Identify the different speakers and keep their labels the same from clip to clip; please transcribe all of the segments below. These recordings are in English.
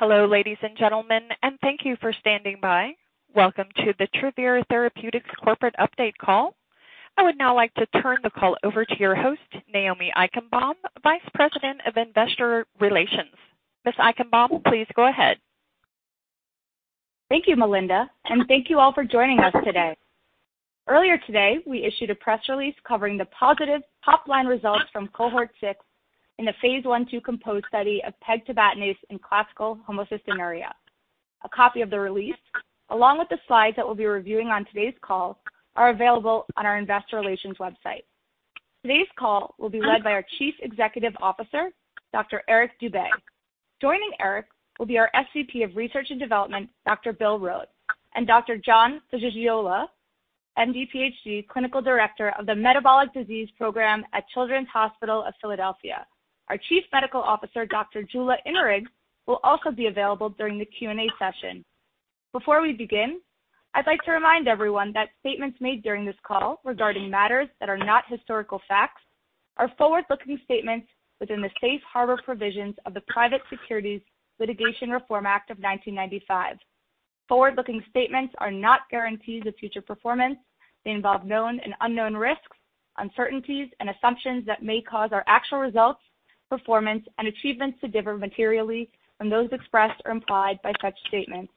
Speaker 1: Hello, ladies and gentlemen, thank you for standing by. Welcome to the Travere Therapeutics Corporate Update Call. I would now like to turn the call over to your host, Naomi Eichenbaum, Vice President of Investor Relations. Ms. Eichenbaum, please go ahead.
Speaker 2: Thank you, Melinda. Thank you all for joining us today. Earlier today, we issued a press release covering the positive top-line results from cohort 6 in the phase 1/2 COMPOSE study of pegtibatinase in classical homocystinuria. A copy of the release, along with the slides that we'll be reviewing on today's call, are available on our investor relations website. Today's call will be led by our Chief Executive Officer, Dr. Eric Dube. Joining Eric will be our SVP of Research and Development, Dr. William Rote, and Dr. Can Ficicioglu, MD, PhD, Clinical Director of the Metabolic Disease Program at Children's Hospital of Philadelphia. Our Chief Medical Officer, Dr. Jula Inrig, will also be available during the Q&A session. Before we begin, I'd like to remind everyone that statements made during this call regarding matters that are not historical facts are forward-looking statements within the safe harbor provisions of the Private Securities Litigation Reform Act of 1995. Forward-looking statements are not guarantees of future performance. They involve known and unknown risks, uncertainties, and assumptions that may cause our actual results, performance, and achievements to differ materially from those expressed or implied by such statements.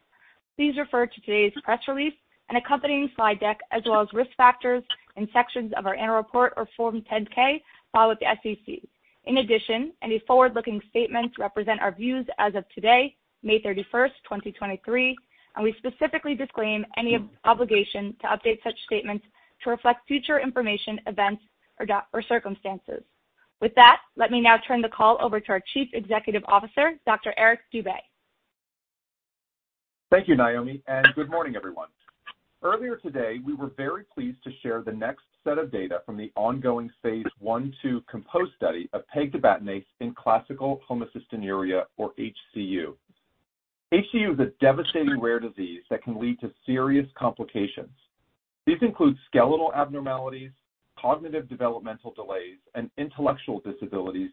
Speaker 2: Please refer to today's press release and accompanying slide deck, as well as risk factors in sections of our annual report or Form 10-K filed with the SEC. Any forward-looking statements represent our views as of today, May 31st, 2023, and we specifically disclaim any obligation to update such statements to reflect future information, events, or circumstances. With that, let me now turn the call over to our Chief Executive Officer, Dr. Eric Dube.
Speaker 3: Thank you, Naomi, and good morning, everyone. Earlier today, we were very pleased to share the next set of data from the ongoing phase 1/2 COMPOSE study of pegtibatinase in classical homocystinuria, or HCU. HCU is a devastating rare disease that can lead to serious complications. These include skeletal abnormalities, cognitive developmental delays, and intellectual disabilities,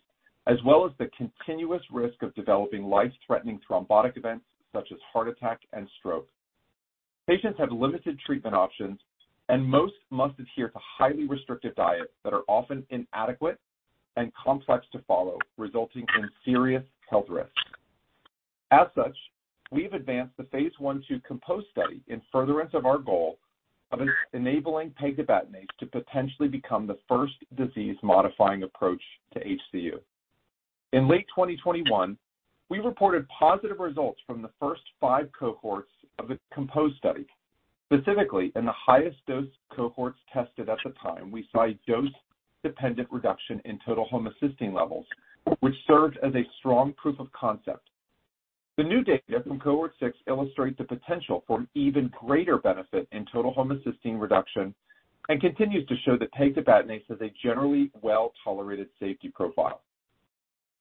Speaker 3: as well as the continuous risk of developing life-threatening thrombotic events such as heart attack and stroke. Patients have limited treatment options, and most must adhere to highly restrictive diets that are often inadequate and complex to follow, resulting in serious health risks. As such, we've advanced the phase 1/2 COMPOSE study in furtherance of our goal of enabling pegtibatinase to potentially become the first disease-modifying approach to HCU. In late 2021, we reported positive results from the first five cohorts of the COMPOSE study. Specifically, in the highest dose cohorts tested at the time, we saw a dose-dependent reduction in total homocysteine levels, which served as a strong proof of concept. The new data from cohort 6 illustrates the potential for an even greater benefit in total homocysteine reduction and continues to show that pegtibatinase has a generally well-tolerated safety profile.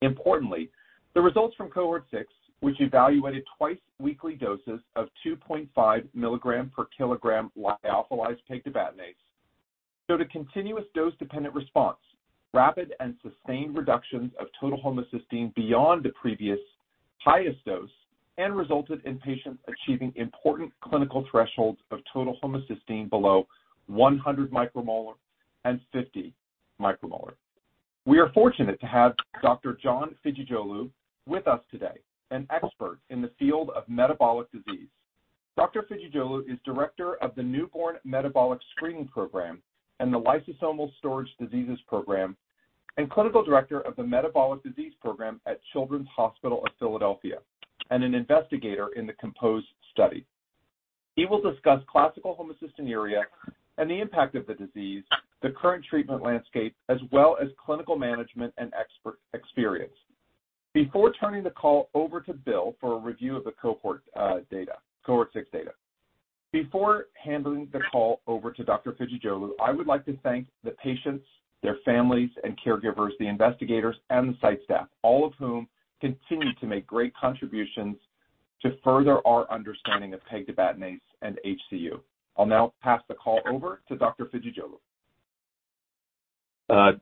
Speaker 3: Importantly, the results from cohort 6, which evaluated twice-weekly doses of 2.5 mg/kg lyophilized pegtibatinase, showed a continuous dose-dependent response, rapid and sustained reductions of total homocysteine beyond the previous highest dose, and resulted in patients achieving important clinical thresholds of total homocysteine below 100 micromolar and 50 micromolar. We are fortunate to have Dr. Can Ficicioglu with us today, an expert in the field of metabolic disease. Dr. Ficicioglu is Director of the Newborn Metabolic Screening Program and the Lysosomal Storage Diseases Program and Clinical Director of the Metabolic Disease Program at Children's Hospital of Philadelphia, and an investigator in the COMPOSE study. He will discuss classical homocystinuria and the impact of the disease, the current treatment landscape, as well as clinical management and expert experience. Before turning the call over to Bill for a review of the cohort data, cohort 6 data. Before handing the call over to Dr. Ficicioglu, I would like to thank the patients, their families and caregivers, the investigators, and the site staff, all of whom continue to make great contributions to further our understanding of pegtibatinase and HCU. I'll now pass the call over to Dr. Ficicioglu.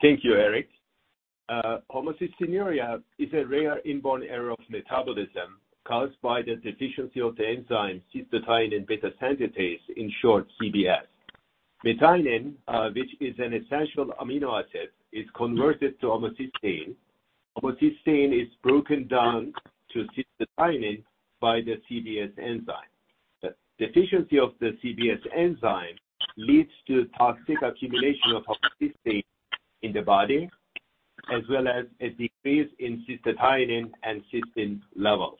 Speaker 4: Thank you, Eric. Homocystinuria is a rare inborn error of metabolism caused by the deficiency of the enzyme cystathionine beta-synthase, in short, CBS. Methionine, which is an essential amino acid, is converted to homocysteine. Homocysteine is broken down to cystathionine by the CBS enzyme. The deficiency of the CBS enzyme leads to toxic accumulation of homocysteine in the body, as well as a decrease in cystathionine and cysteine levels.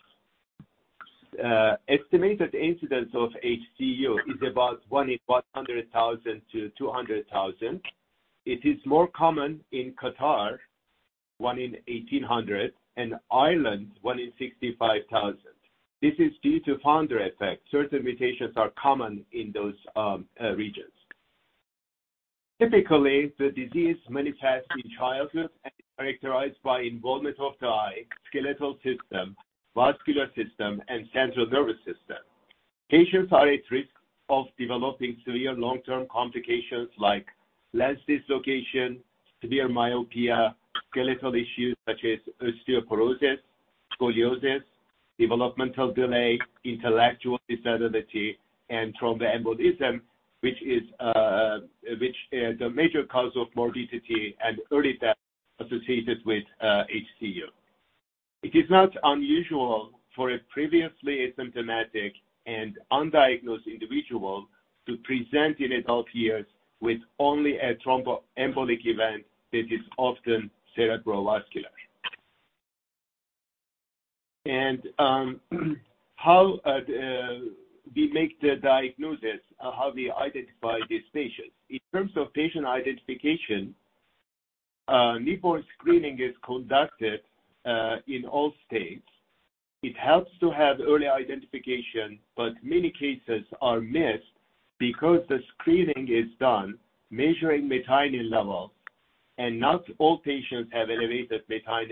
Speaker 4: Estimated incidence of HCU is about one in 100,000 to 200,000. It is more common in Qatar, one in 1,800, and Ireland, one in 65,000. This is due to founder effect. Certain mutations are common in those regions. Typically, the disease manifests in childhood and is characterized by involvement of the eye, skeletal system, vascular system, and central nervous system. Patients are at risk of developing severe long-term complications like lens dislocation, severe myopia, skeletal issues such as osteoporosis, scoliosis, developmental delay, intellectual disability, and thromboembolism, which is the major cause of morbidity and early death associated with HCU. It is not unusual for a previously asymptomatic and undiagnosed individual to present in adult years with only a thromboembolic event that is often cerebrovascular. How do we make the diagnosis? How we identify these patients. In terms of patient identification, newborn screening is conducted in all states. It helps to have early identification, but many cases are missed because the screening is done measuring methionine levels, and not all patients have elevated methionine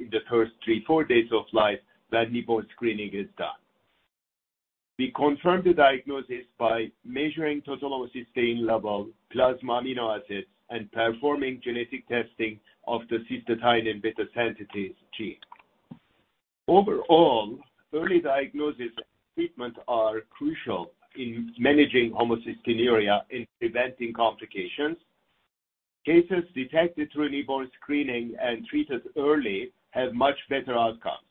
Speaker 4: in the first three, four days of life that newborn screening is done. We confirm the diagnosis by measuring total homocysteine level, plasma amino acids, and performing genetic testing of the cystathionine beta-synthase gene. Early diagnosis and treatment are crucial in managing homocystinuria and preventing complications. Cases detected through newborn screening and treated early have much better outcomes.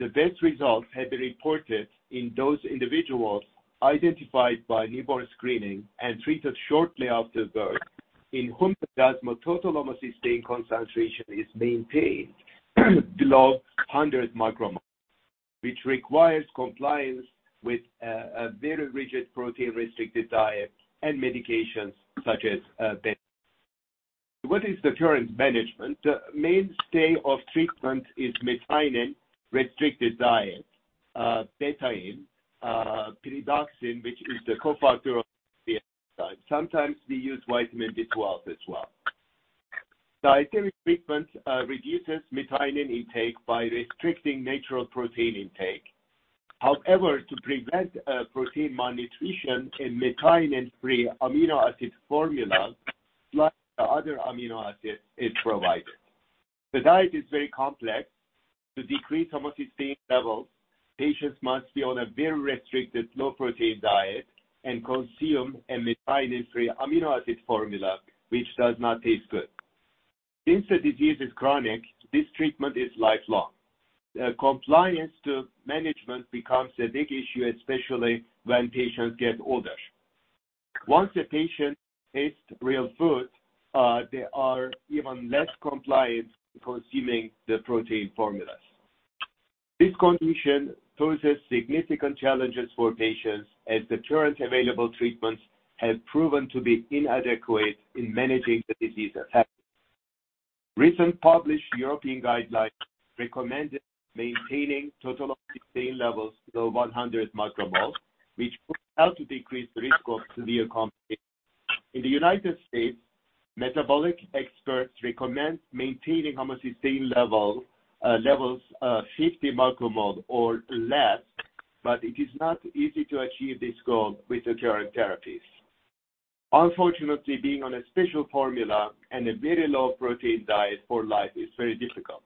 Speaker 4: The best results have been reported in those individuals identified by newborn screening and treated shortly after birth, in whom the plasma total homocysteine concentration is maintained below 100 micromole, which requires compliance with a very rigid, protein-restricted diet and medications such as betaine. What is the current management? The mainstay of treatment is methionine-restricted diet, betaine, pyridoxine, which is the cofactor of the enzyme. Sometimes we use vitamin B12 as well. Dietary treatment reduces methionine intake by restricting natural protein intake. However, to prevent protein malnutrition in methionine-free amino acid formula, plus the other amino acids is provided. The diet is very complex. To decrease homocysteine levels, patients must be on a very restricted low-protein diet and consume a methionine-free amino acid formula, which does not taste good. Since the disease is chronic, this treatment is lifelong. Compliance to management becomes a big issue, especially when patients get older. Once a patient tastes real food, they are even less compliant consuming the protein formulas. This condition poses significant challenges for patients, as the current available treatments have proven to be inadequate in managing the disease effects. Recent published European guidelines recommended maintaining total homocysteine levels below 100 micromole, which would help to decrease the risk of severe complications. In the United States, metabolic experts recommend maintaining homocysteine levels 50 micromole or less. It is not easy to achieve this goal with the current therapies. Unfortunately, being on a special formula and a very low-protein diet for life is very difficult.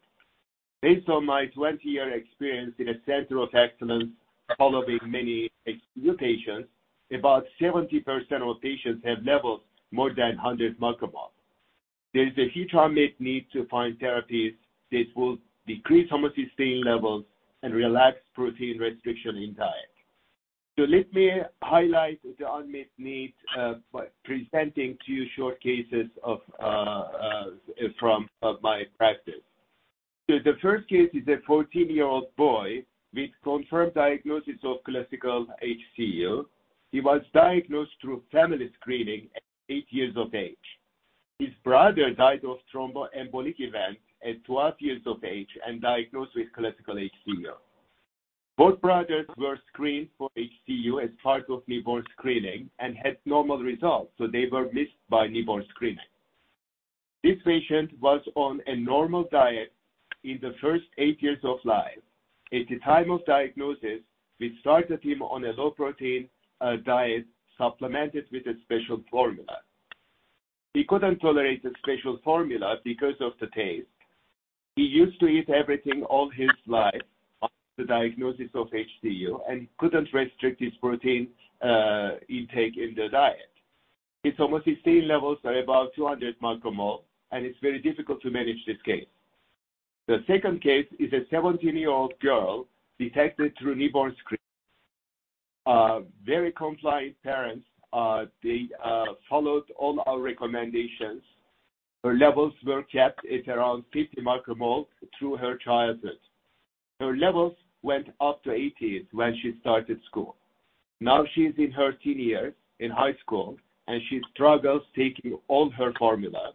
Speaker 4: Based on my 20-year experience in a center of excellence, following many new patients, about 70% of patients have levels more than 100 micromole. There is a huge unmet need to find therapies that will decrease homocysteine levels and relax protein restriction in diet. Let me highlight the unmet need by presenting two short cases from my practice. The first case is a 14-year-old boy with confirmed diagnosis of classical HCU. He was diagnosed through family screening at eight years of age. His brother died of thromboembolic event at 12 years of age and diagnosed with classical HCU. Both brothers were screened for HCU as part of newborn screening and had normal results, they were missed by newborn screening. This patient was on a normal diet in the first eight years of life. At the time of diagnosis, we started him on a low-protein diet, supplemented with a special formula. He couldn't tolerate the special formula because of the taste. He used to eat everything all his life after the diagnosis of HCU and couldn't restrict his protein intake in the diet. His homocysteine levels are above 200 micromole, and it's very difficult to manage this case. The second case is a 17-year-old girl detected through newborn screening. Very compliant parents. They followed all our recommendations. Her levels were kept at around 50 micromole through her childhood. Her levels went up to 80s when she started school. Now she's in her teen years in high school, and she struggles taking all her formula.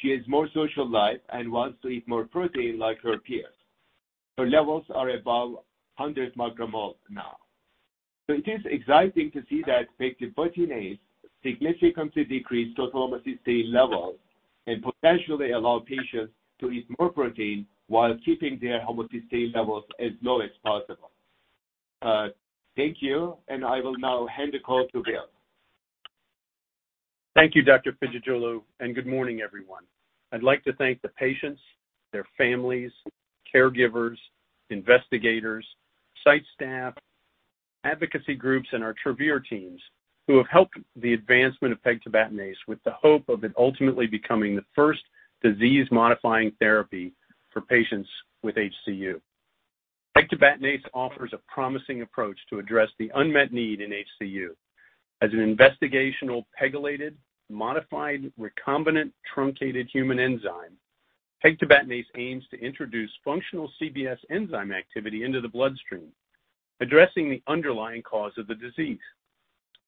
Speaker 4: She has more social life and wants to eat more protein like her peers. Her levels are above 100 micromole now. It is exciting to see that pegtibatinase significantly decreased total homocysteine levels. Potentially allow patients to eat more protein while keeping their homocysteine levels as low as possible. Thank you, I will now hand the call to Bill.
Speaker 5: Thank you, Dr. Ficicioglu. Good morning, everyone. I'd like to thank the patients, their families, caregivers, investigators, site staff, advocacy groups, and our Travere teams who have helped the advancement of pegtibatinase with the hope of it ultimately becoming the first disease-modifying therapy for patients with HCU. Pegtibatinase offers a promising approach to address the unmet need in HCU. As an investigational PEGylated, modified recombinant truncated human enzyme, pegtibatinase aims to introduce functional CBS enzyme activity into the bloodstream, addressing the underlying cause of the disease.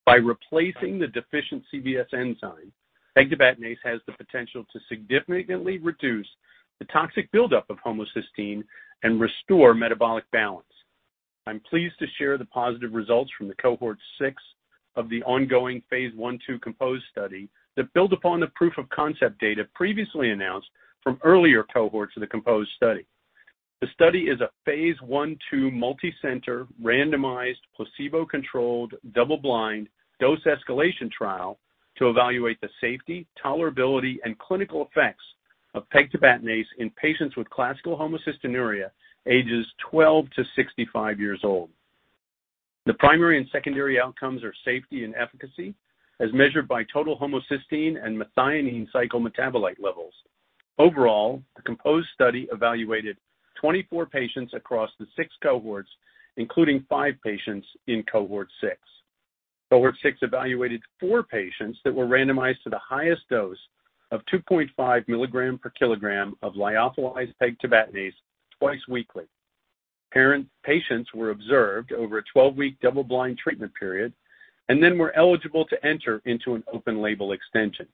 Speaker 5: By replacing the deficient CBS enzyme, pegtibatinase has the potential to significantly reduce the toxic buildup of homocysteine and restore metabolic balance. I'm pleased to share the positive results from the cohort 6 of the ongoing phase 1/2 COMPOSE study that build upon the proof of concept data previously announced from earlier cohorts of the COMPOSE study. The study is a phase 1/2 multicenter, randomized, placebo-controlled, double-blind dose escalation trial to evaluate the safety, tolerability, and clinical effects of pegtibatinase in patients with classical homocystinuria, ages 12 to 65 years old. The primary and secondary outcomes are safety and efficacy, as measured by total homocysteine and methionine cycle metabolite levels. Overall, the COMPOSE study evaluated 24 patients across the six cohorts, including five patients in cohort 6. Cohort 6 evaluated four patients that were randomized to the highest dose of 2.5 mg/kg of lyophilized pegtibatinase twice weekly. Parent- patients were observed over a 12-week double-blind treatment period and then were eligible to enter into an open-label extension.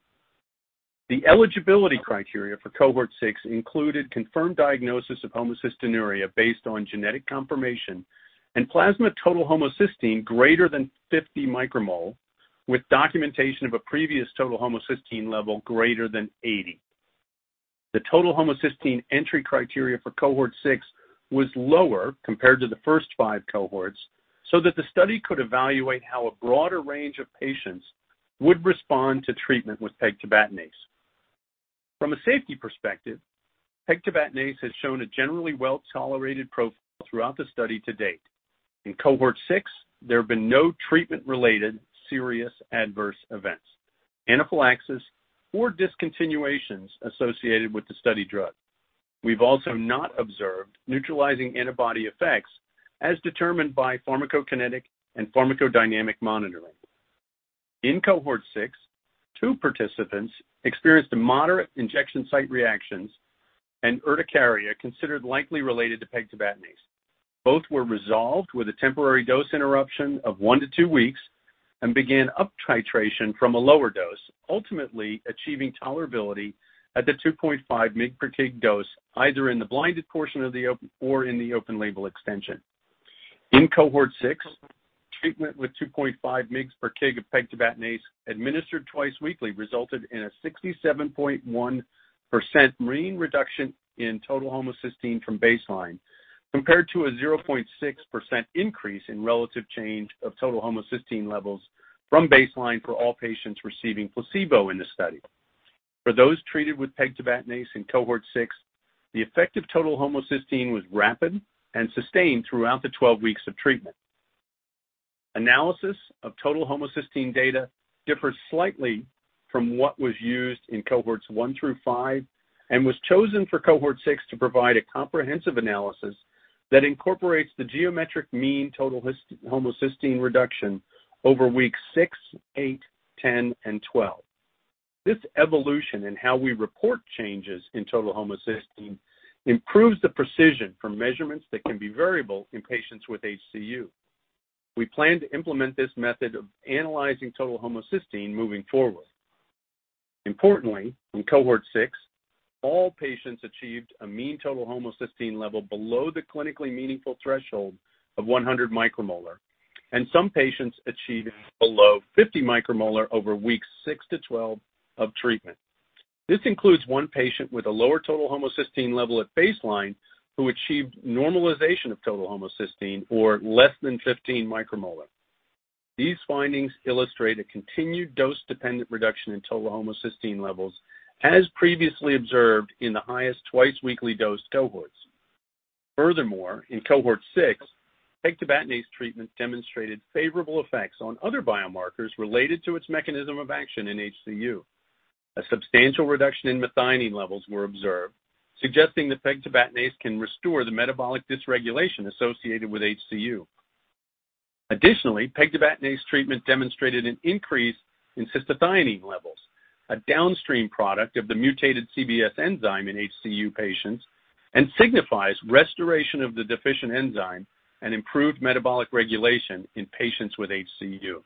Speaker 5: The eligibility criteria for cohort 6 included confirmed diagnosis of homocystinuria based on genetic confirmation and plasma total homocysteine greater than 50 micromole, with documentation of a previous total homocysteine level greater than 80. The total homocysteine entry criteria for cohort 6 was lower compared to the first five cohorts, so that the study could evaluate how a broader range of patients would respond to treatment with pegtibatinase. From a safety perspective, pegtibatinase has shown a generally well-tolerated profile throughout the study to date. In cohort 6, there have been no treatment-related serious adverse events, anaphylaxis, or discontinuations associated with the study drug. We've also not observed neutralizing antibody effects, as determined by pharmacokinetic and pharmacodynamic monitoring. In cohort 6, two participants experienced a moderate injection site reactions and urticaria, considered likely related to pegtibatinase. Both were resolved with a temporary dose interruption of 1-2 weeks and began up titration from a lower dose, ultimately achieving tolerability at the 2.5 mg/kg dose, either in the blinded portion of the open or in the open-label extension. In cohort 6, treatment with 2.5 mg/kg of pegtibatinase, administered twice weekly, resulted in a 67.1% mean reduction in total homocysteine from baseline, compared to a 0.6% increase in relative change of total homocysteine levels from baseline for all patients receiving placebo in the study. For those treated with pegtibatinase in cohort 6, the effect of total homocysteine was rapid and sustained throughout the 12 weeks of treatment. Analysis of total homocysteine data differs slightly from what was used in cohorts 1 through 5 and was chosen for cohort 6 to provide a comprehensive analysis that incorporates the geometric mean total homocysteine reduction over weeks 6, 8, 10, and 12. This evolution in how we report changes in total homocysteine improves the precision for measurements that can be variable in patients with HCU. We plan to implement this method of analyzing total homocysteine moving forward. Importantly, in cohort 6, all patients achieved a mean total homocysteine level below the clinically meaningful threshold of 100 micromolar, and some patients achieved below 50 micromolar over weeks six to 12 of treatment. This includes one patient with a lower total homocysteine level at baseline, who achieved normalization of total homocysteine, or less than 15 micromolar. These findings illustrate a continued dose-dependent reduction in total homocysteine levels, as previously observed in the highest twice-weekly dosed cohorts. Furthermore, in cohort 6, pegtibatinase treatment demonstrated favorable effects on other biomarkers related to its mechanism of action in HCU. A substantial reduction in methionine levels were observed, suggesting that pegtibatinase can restore the metabolic dysregulation associated with HCU. Additionally, pegtibatinase treatment demonstrated an increase in cystathionine levels, a downstream product of the mutated CBS enzyme in HCU patients and signifies restoration of the deficient enzyme and improved metabolic regulation in patients with HCU.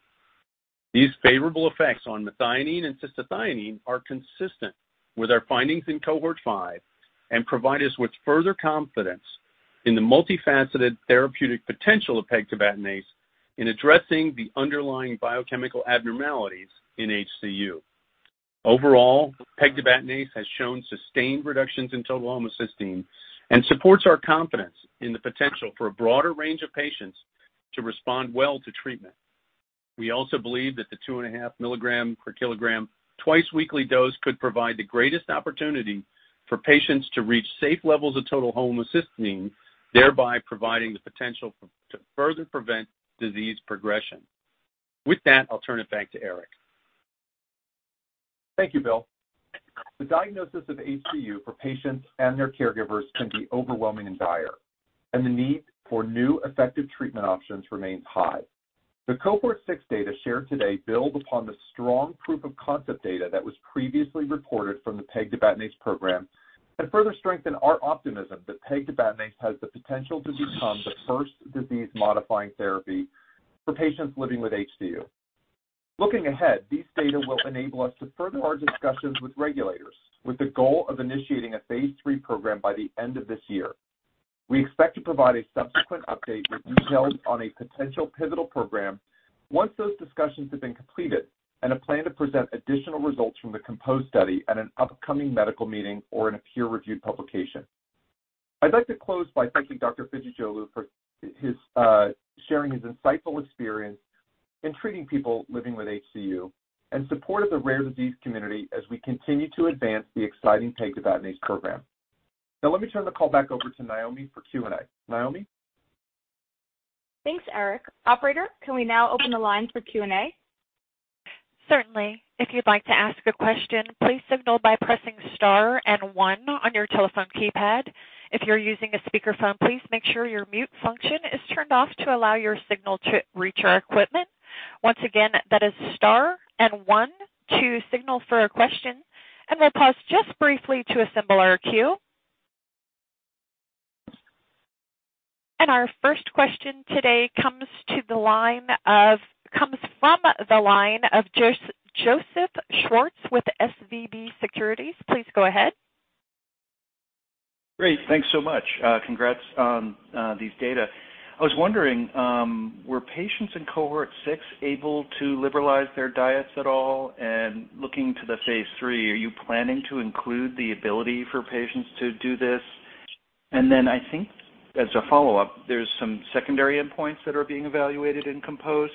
Speaker 5: These favorable effects on methionine and cystathionine are consistent with our findings in cohort 5 and provide us with further confidence in the multifaceted therapeutic potential of pegtibatinase in addressing the underlying biochemical abnormalities in HCU. Overall, pegtibatinase has shown sustained reductions in total homocysteine and supports our confidence in the potential for a broader range of patients to respond well to treatment. We also believe that the 2.5 mg/kg twice weekly dose could provide the greatest opportunity for patients to reach safe levels of total homocysteine, thereby providing the potential to further prevent disease progression. With that, I'll turn it back to Eric.
Speaker 3: Thank you, Bill. The diagnosis of HCU for patients and their caregivers can be overwhelming and dire, and the need for new effective treatment options remains high. The cohort 6 data shared today build upon the strong proof of concept data that was previously reported from the pegtibatinase program and further strengthen our optimism that pegtibatinase has the potential to become the first disease-modifying therapy for patients living with HCU. Looking ahead, these data will enable us to further our discussions with regulators with the goal of initiating a phase 3 program by the end of this year. We expect to provide a subsequent update with details on a potential pivotal program once those discussions have been completed and a plan to present additional results from the COMPOSE study at an upcoming medical meeting or in a peer-reviewed publication. I'd like to close by thanking Dr. Ficicioglu for his sharing his insightful experience in treating people living with HCU and support of the rare disease community as we continue to advance the exciting pegtibatinase program. Now let me turn the call back over to Naomi for Q&A. Naomi?
Speaker 2: Thanks, Eric. Operator, can we now open the line for Q&A?
Speaker 1: Certainly. If you'd like to ask a question, please signal by pressing star and one on your telephone keypad. If you're using a speakerphone, please make sure your mute function is turned off to allow your signal to reach our equipment. Once again, that is star and one to signal for a question, and we'll pause just briefly to assemble our queue. And our first question today comes to the line of, comes from the line of Joseph Schwartz with SVB Securities. Please go ahead.
Speaker 6: Great. Thanks so much. Congrats on these data. I was wondering, were patients in cohort 6 able to liberalize their diets at all? Looking to the phase 3, are you planning to include the ability for patients to do this? I think as a follow-up, there's some secondary endpoints that are being evaluated in COMPOSE.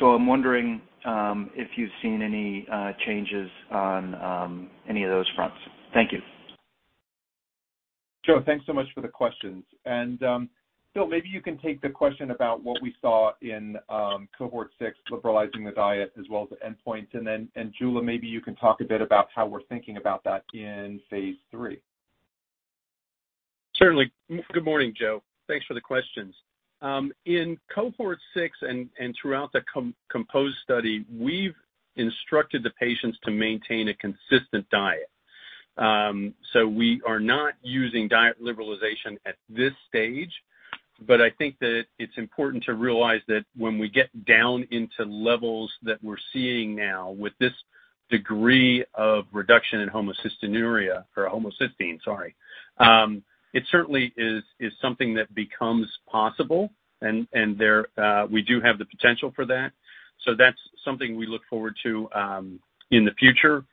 Speaker 6: I'm wondering, if you've seen any changes on any of those fronts. Thank you.
Speaker 3: Joe, thanks so much for the questions. Bill, maybe you can take the question about what we saw in cohort 6, liberalizing the diet as well as the endpoints. Jula, maybe you can talk a bit about how we're thinking about that in phase 3.
Speaker 5: Certainly. Good morning, Joseph. Thanks for the questions. In cohort 6 and throughout the COMPOSE study, we've instructed the patients to maintain a consistent diet. We are not using diet liberalization at this stage, but I think that it's important to realize that when we get down into levels that we're seeing now with this degree of reduction in homocystinuria or homocysteine, sorry, it certainly is something that becomes possible, and there we do have the potential for that. That's something we look forward to in the future.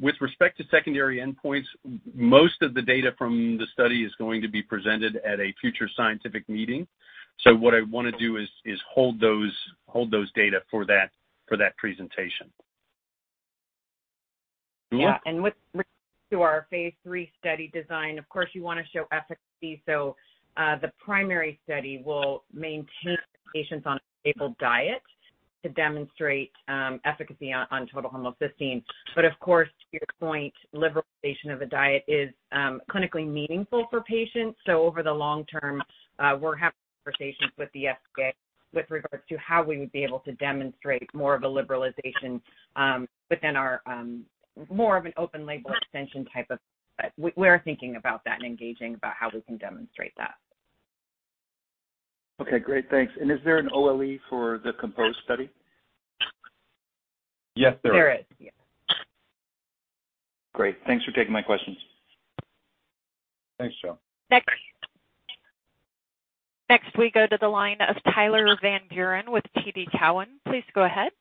Speaker 5: With respect to secondary endpoints, most of the data from the study is going to be presented at a future scientific meeting. What I want to do is hold those data for that presentation.
Speaker 3: Yeah-
Speaker 7: With to our phase 3 study design, of course, you want to show efficacy, the primary study will maintain patients on a stable diet to demonstrate efficacy on total homocysteine. Of course, to your point, liberalization of the diet is clinically meaningful for patients. Over the long term, we're having conversations with the FDA with regards to how we would be able to demonstrate more of a liberalization within our more of an open-label extension type of study. We are thinking about that and engaging about how we can demonstrate that.
Speaker 6: Okay, great. Thanks. Is there an OLE for the COMPOSE study?
Speaker 5: Yes, there is.
Speaker 7: There is, yes.
Speaker 6: Great. Thanks for taking my questions.
Speaker 5: Thanks, Joe.
Speaker 1: Next. Next, we go to the line of Tyler Van Buren with TD Cowen. Please go ahead.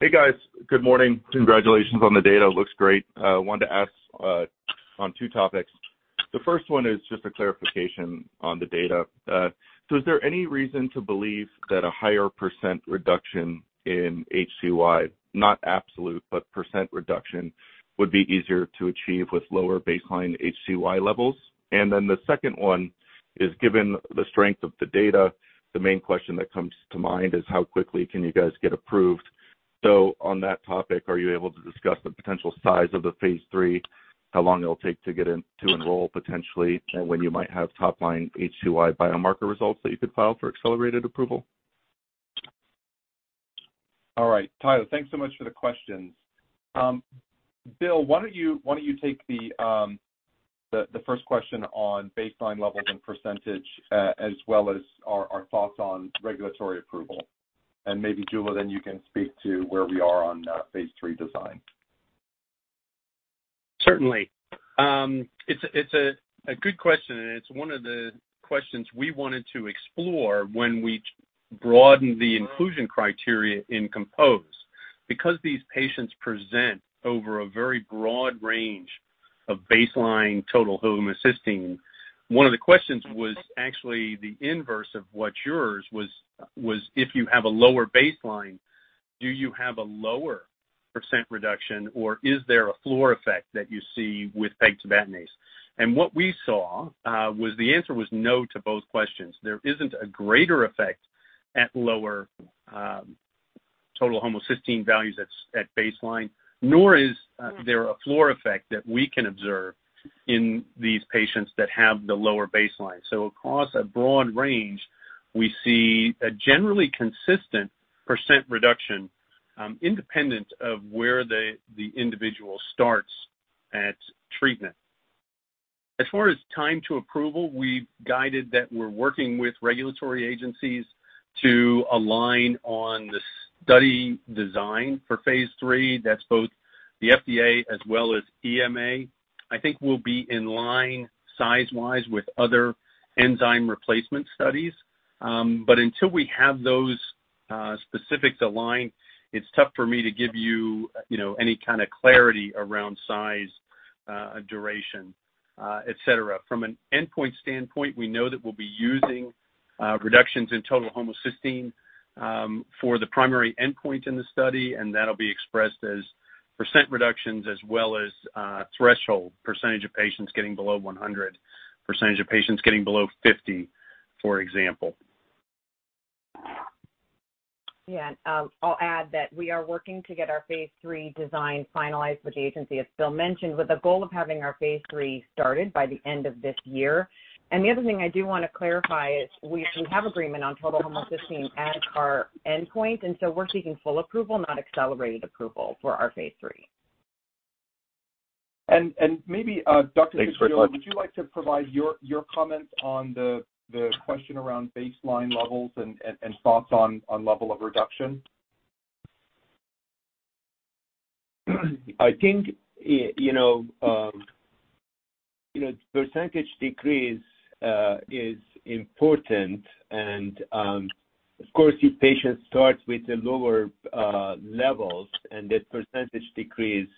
Speaker 8: Hey, guys. Good morning. Congratulations on the data. Looks great. Wanted to ask on two topics. The first one is just a clarification on the data. Is there any reason to believe that a higher % reduction in HCY, not absolute, but % reduction, would be easier to achieve with lower baseline HCY levels? The second one is, given the strength of the data, the main question that comes to mind is, how quickly can you guys get approved? On that topic, are you able to discuss the potential size of the phase 3, how long it'll take to get in to enroll potentially, and when you might have top-line HCY biomarker results that you could file for accelerated approval?
Speaker 3: All right, Tyler, thanks so much for the questions. Bill, why don't you take the first question on baseline levels and percentage, as well as our thoughts on regulatory approval? Maybe Jula, then you can speak to where we are on phase 3 design.
Speaker 5: Certainly. It's a good question. It's one of the questions we wanted to explore when we broadened the inclusion criteria in COMPOSE. Because these patients present over a very broad range of baseline total homocysteine, one of the questions was actually the inverse of what yours was: If you have a lower baseline, do you have a lower % reduction, or is there a floor effect that you see with pegtibatinase? What we saw was the answer was no to both questions. There isn't a greater effect at lower total homocysteine values at baseline, nor is there a floor effect that we can observe in these patients that have the lower baseline. Across a broad range, we see a generally consistent % reduction independent of where the individual starts at treatment. As far as time to approval, we've guided that we're working with regulatory agencies to align on the study design for phase 3. That's both the FDA as well as EMA. I think we'll be in line size-wise with other enzyme replacement studies. Until we have those specifics aligned, it's tough for me to give you know, any kind of clarity around size, duration, et cetera. From an endpoint standpoint, we know that we'll be using reductions in total homocysteine for the primary endpoint in the study, and that'll be expressed as % reductions as well as threshold, percentage of patients getting below 100, percentage of patients getting below 50, for example.
Speaker 7: Yeah, I'll add that we are working to get our phase 3 design finalized with the agency, as Bill mentioned, with the goal of having our phase 3 started by the end of this year. The other thing I do want to clarify is we have agreement on total homocysteine as our endpoint, and so we're seeking full approval, not accelerated approval for our phase 3.
Speaker 3: And maybe, Dr. Ficicioglu…
Speaker 8: Thanks so much.
Speaker 3: would you like to provide your comments on the question around baseline levels and thoughts on level of reduction?
Speaker 4: I think, you know, you know, percentage decrease is important. Of course, your patient starts with the lower levels, and that percentage decrease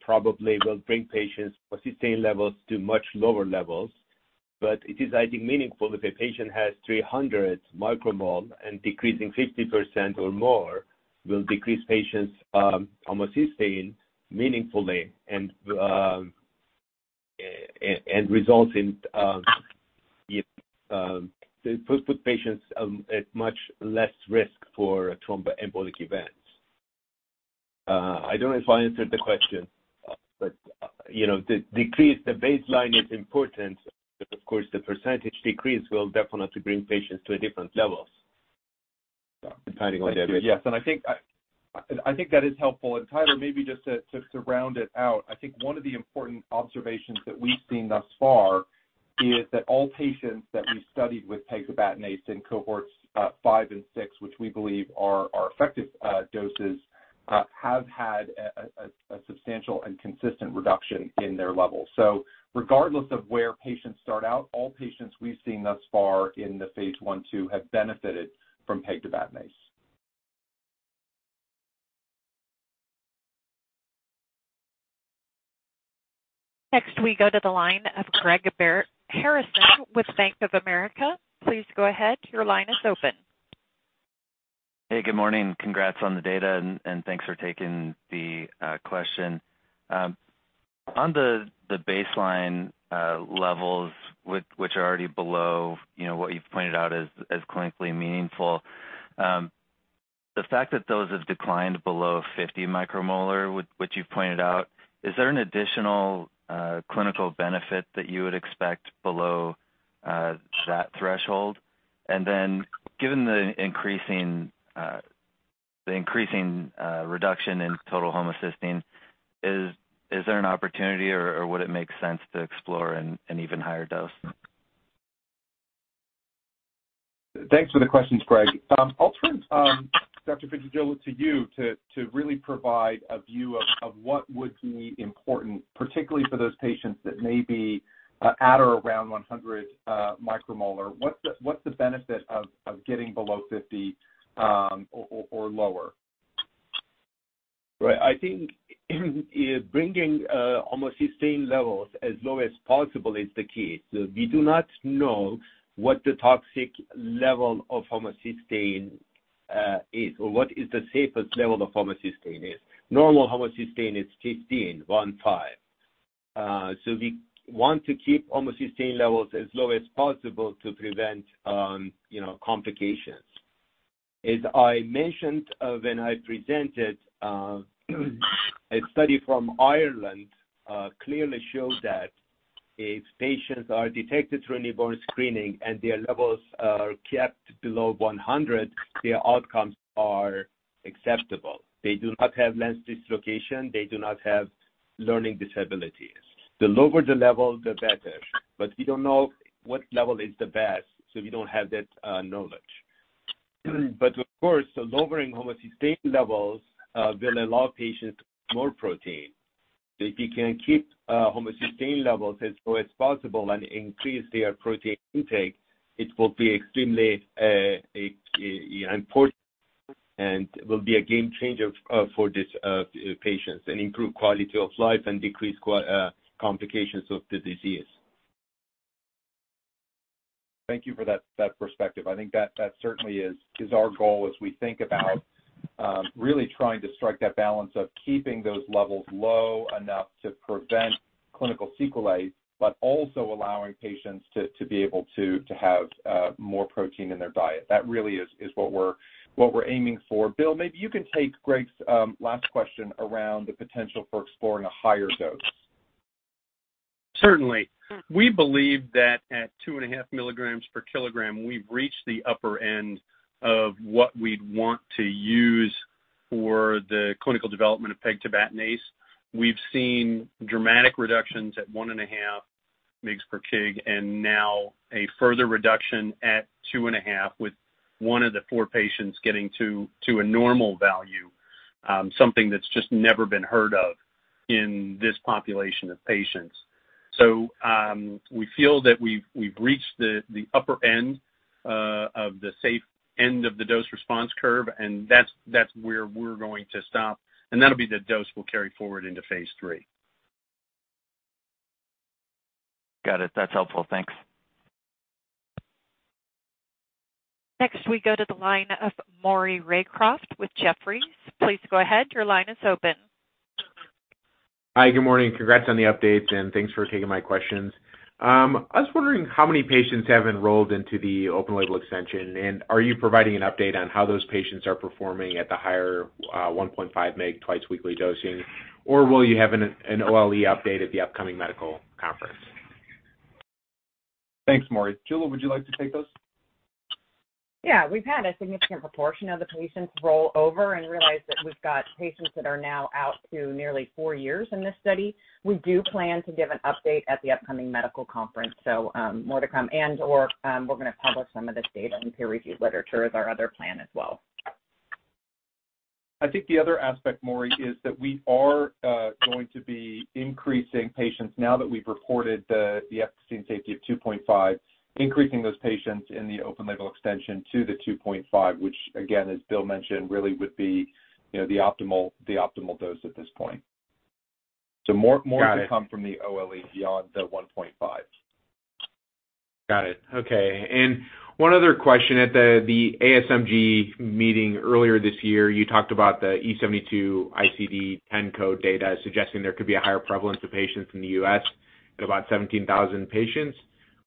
Speaker 4: probably will bring patients' homocysteine levels to much lower levels. It is, I think, meaningful if a patient has 300 micromole and decreasing 50% or more will decrease patients' homocysteine meaningfully and results in if to put patients at much less risk for thromboembolic events. I don't know if I answered the question, but, you know, the decrease, the baseline is important. Of course, the percentage decrease will definitely bring patients to a different levels, depending on their-
Speaker 3: Yes, I think that is helpful. Tyler, maybe just to round it out, I think one of the important observations that we've seen thus far is that all patients that we've studied with pegtibatinase in cohorts 5 and 6, which we believe are effective doses, have had a substantial and consistent reduction in their levels. Regardless of where patients start out, all patients we've seen thus far in the phase 1/2 have benefited from pegtibatinase.
Speaker 1: Next, we go to the line of Greg Harrison with Bank of America. Please go ahead. Your line is open.
Speaker 9: Hey, good morning. Congrats on the data and thanks for taking the question. On the baseline levels, which are already below, you know, what you've pointed out as clinically meaningful, the fact that those have declined below 50 micromolar, which you've pointed out, is there an additional clinical benefit that you would expect below that threshold? Then, given the increasing reduction in total homocysteine, is there an opportunity or would it make sense to explore an even higher dose?
Speaker 3: Thanks for the questions, Greg. I'll turn Dr. Ficicioglu, to you to really provide a view of what would be important, particularly for those patients that may be at or around 100 micromolar. What's the benefit of getting below 50 or lower?
Speaker 4: Right. I think, bringing homocysteine levels as low as possible is the key. We do not know what the toxic level of homocysteine is or what is the safest level of homocysteine is. Normal homocysteine is 15, 1, 5. We want to keep homocysteine levels as low as possible to prevent, you know, complications. As I mentioned, when I presented a study from Ireland, clearly showed that if patients are detected through newborn screening and their levels are kept below 100, their outcomes are acceptable. They do not have lens dislocation, they do not have learning disabilities. The lower the level, the better, but we don't know what level is the best, we don't have that knowledge. Of course, the lowering homocysteine levels will allow patients more protein. If you can keep homocysteine levels as low as possible and increase their protein intake, it will be extremely important and will be a game changer for these patients and improve quality of life and decrease complications of the disease.
Speaker 3: Thank you for that perspective. I think that certainly is our goal as we think about, really trying to strike that balance of keeping those levels low enough to prevent clinical sequelae, but also allowing patients to be able to have, more protein in their diet. That really is what we're, what we're aiming for. Bill, maybe you can take Greg's, last question around the potential for exploring a higher dose.
Speaker 5: Certainly. We believe that at 2.5 mg/kg, we've reached the upper end of what we'd want to use for the clinical development of pegtibatinase. We've seen dramatic reductions at 1.5 mg/kg, and now a further reduction at 2.5, with one of the four patients getting to a normal value, something that's just never been heard of in this population of patients. We feel that we've reached the upper end of the safe end of the dose response curve, and that's where we're going to stop, and that'll be the dose we'll carry forward into phase 3.
Speaker 9: Got it. That's helpful. Thanks.
Speaker 1: We go to the line of Maury Raycroft with Jefferies. Please go ahead. Your line is open.
Speaker 10: Hi. Good morning. Congrats on the updates, and thanks for taking my questions. I was wondering how many patients have enrolled into the open-label extension, and are you providing an update on how those patients are performing at the higher, 1.5 mg twice weekly dosing, or will you have an OLE update at the upcoming medical conference?
Speaker 3: Thanks, Maury. Jula, would you like to take this?
Speaker 7: Yeah. We've had a significant proportion of the patients roll over and realize that we've got patients that are now out to nearly four years in this study. We do plan to give an update at the upcoming medical conference, so more to come, and/or, we're going to publish some of this data in peer-reviewed literature is our other plan as well.
Speaker 3: I think the other aspect, Maury, is that we are going to be increasing patients now that we've reported the efficacy and safety of 2.5 mg, increasing those patients in the open-label extension to the 2.5 mg, which again, as Bill mentioned, really would be, you know, the optimal dose at this point.
Speaker 10: Got it.
Speaker 3: More to come from the OLE beyond the 1.5 mg.
Speaker 10: Got it. Okay. One other question. At the ACMG meeting earlier this year, you talked about the E72 ICD-10 code data suggesting there could be a higher prevalence of patients in the U.S. at about 17,000 patients,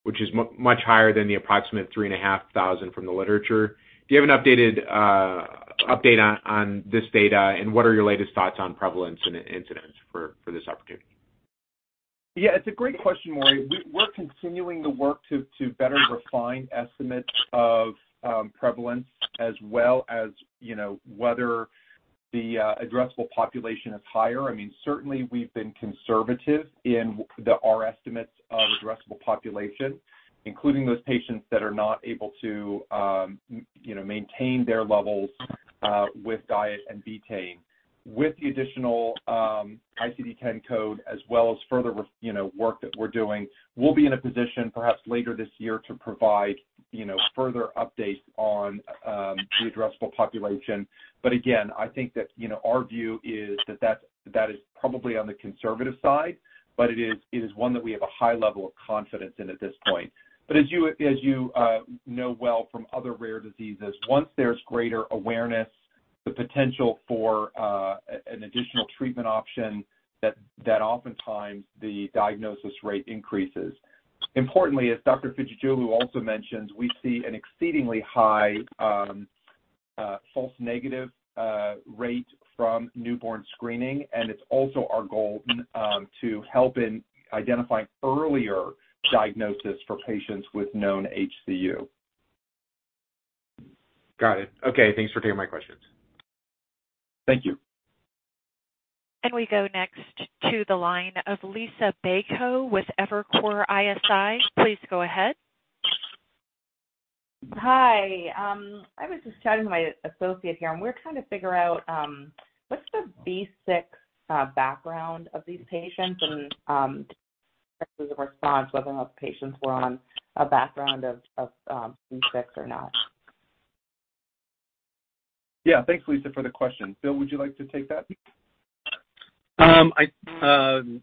Speaker 10: which is much higher than the approximate 3,500 from the literature. Do you have an updated update on this data, and what are your latest thoughts on prevalence and incidence for this opportunity?
Speaker 3: Yeah, it's a great question, Maury. We're continuing the work to better refine estimates of prevalence as well as, you know, whether the addressable population is higher. I mean, certainly we've been conservative in the, our estimates of addressable population, including those patients that are not able to, you know, maintain their levels with diet and betaine. With the additional ICD-10 code, as well as further, you know, work that we're doing, we'll be in a position perhaps later this year to provide, you know, further updates on the addressable population. Again, I think that is probably on the conservative side, but it is one that we have a high level of confidence in at this point. As you know well from other rare diseases, once there's greater awareness, the potential for an additional treatment option, that oftentimes the diagnosis rate increases. Importantly, as Dr. Ficicioglu also mentions, we see an exceedingly high false negative rate from newborn screening, and it's also our goal to help in identifying earlier diagnosis for patients with known HCU.
Speaker 10: Got it. Okay. Thanks for taking my questions.
Speaker 3: Thank you.
Speaker 1: We go next to the line of Liisa Bayko with Evercore ISI. Please go ahead.
Speaker 11: Hi. I was just chatting to my associate here, and we're trying to figure out what's the B6 background of these patients and actually the response, whether or not the patients were on a background of B6 or not.
Speaker 3: Thanks, Liisa, for the question. Bill, would you like to take that?
Speaker 5: I,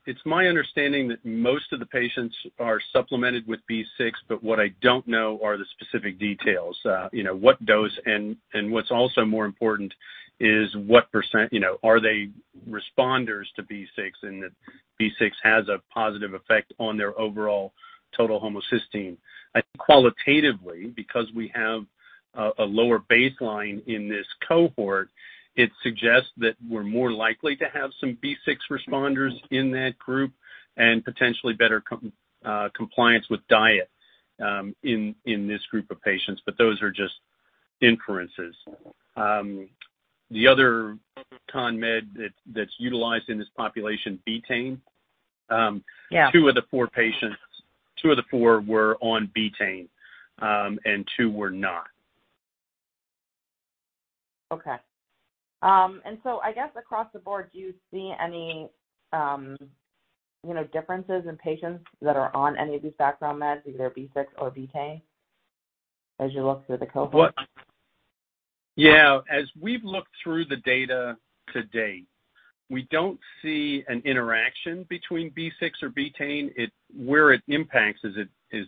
Speaker 5: it's my understanding that most of the patients are supplemented with B6, but what I don't know are the specific details. You know, what dose, and what's also more important is what percent. You know, are they responders to B6, and that B6 has a positive effect on their overall total homocysteine. I think qualitatively, because we have a lower baseline in this cohort, it suggests that we're more likely to have some B6 responders in that group and potentially better compliance with diet in this group of patients. Those are just inferences. The other con med that's utilized in this population, betaine?
Speaker 11: Yeah.
Speaker 5: Two of the four patients, two of the four were on betaine, and two were not.
Speaker 11: Okay. I guess across the board, do you see any, you know, differences in patients that are on any of these background meds, either B6 or betaine, as you look through the cohort?
Speaker 5: Well, yeah, as we've looked through the data to date, we don't see an interaction between B6 or betaine. Where it impacts is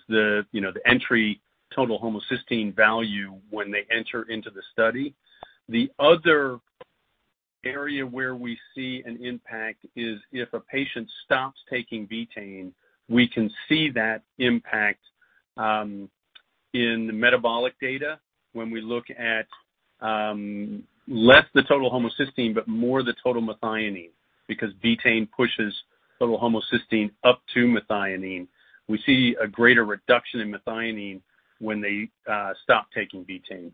Speaker 5: the, you know, the entry total homocysteine value when they enter into the study. The other area where we see an impact is if a patient stops taking betaine, we can see that impact in the metabolic data when we look at less the total homocysteine, but more the total methionine, because betaine pushes total homocysteine up to methionine. We see a greater reduction in methionine when they stop taking betaine.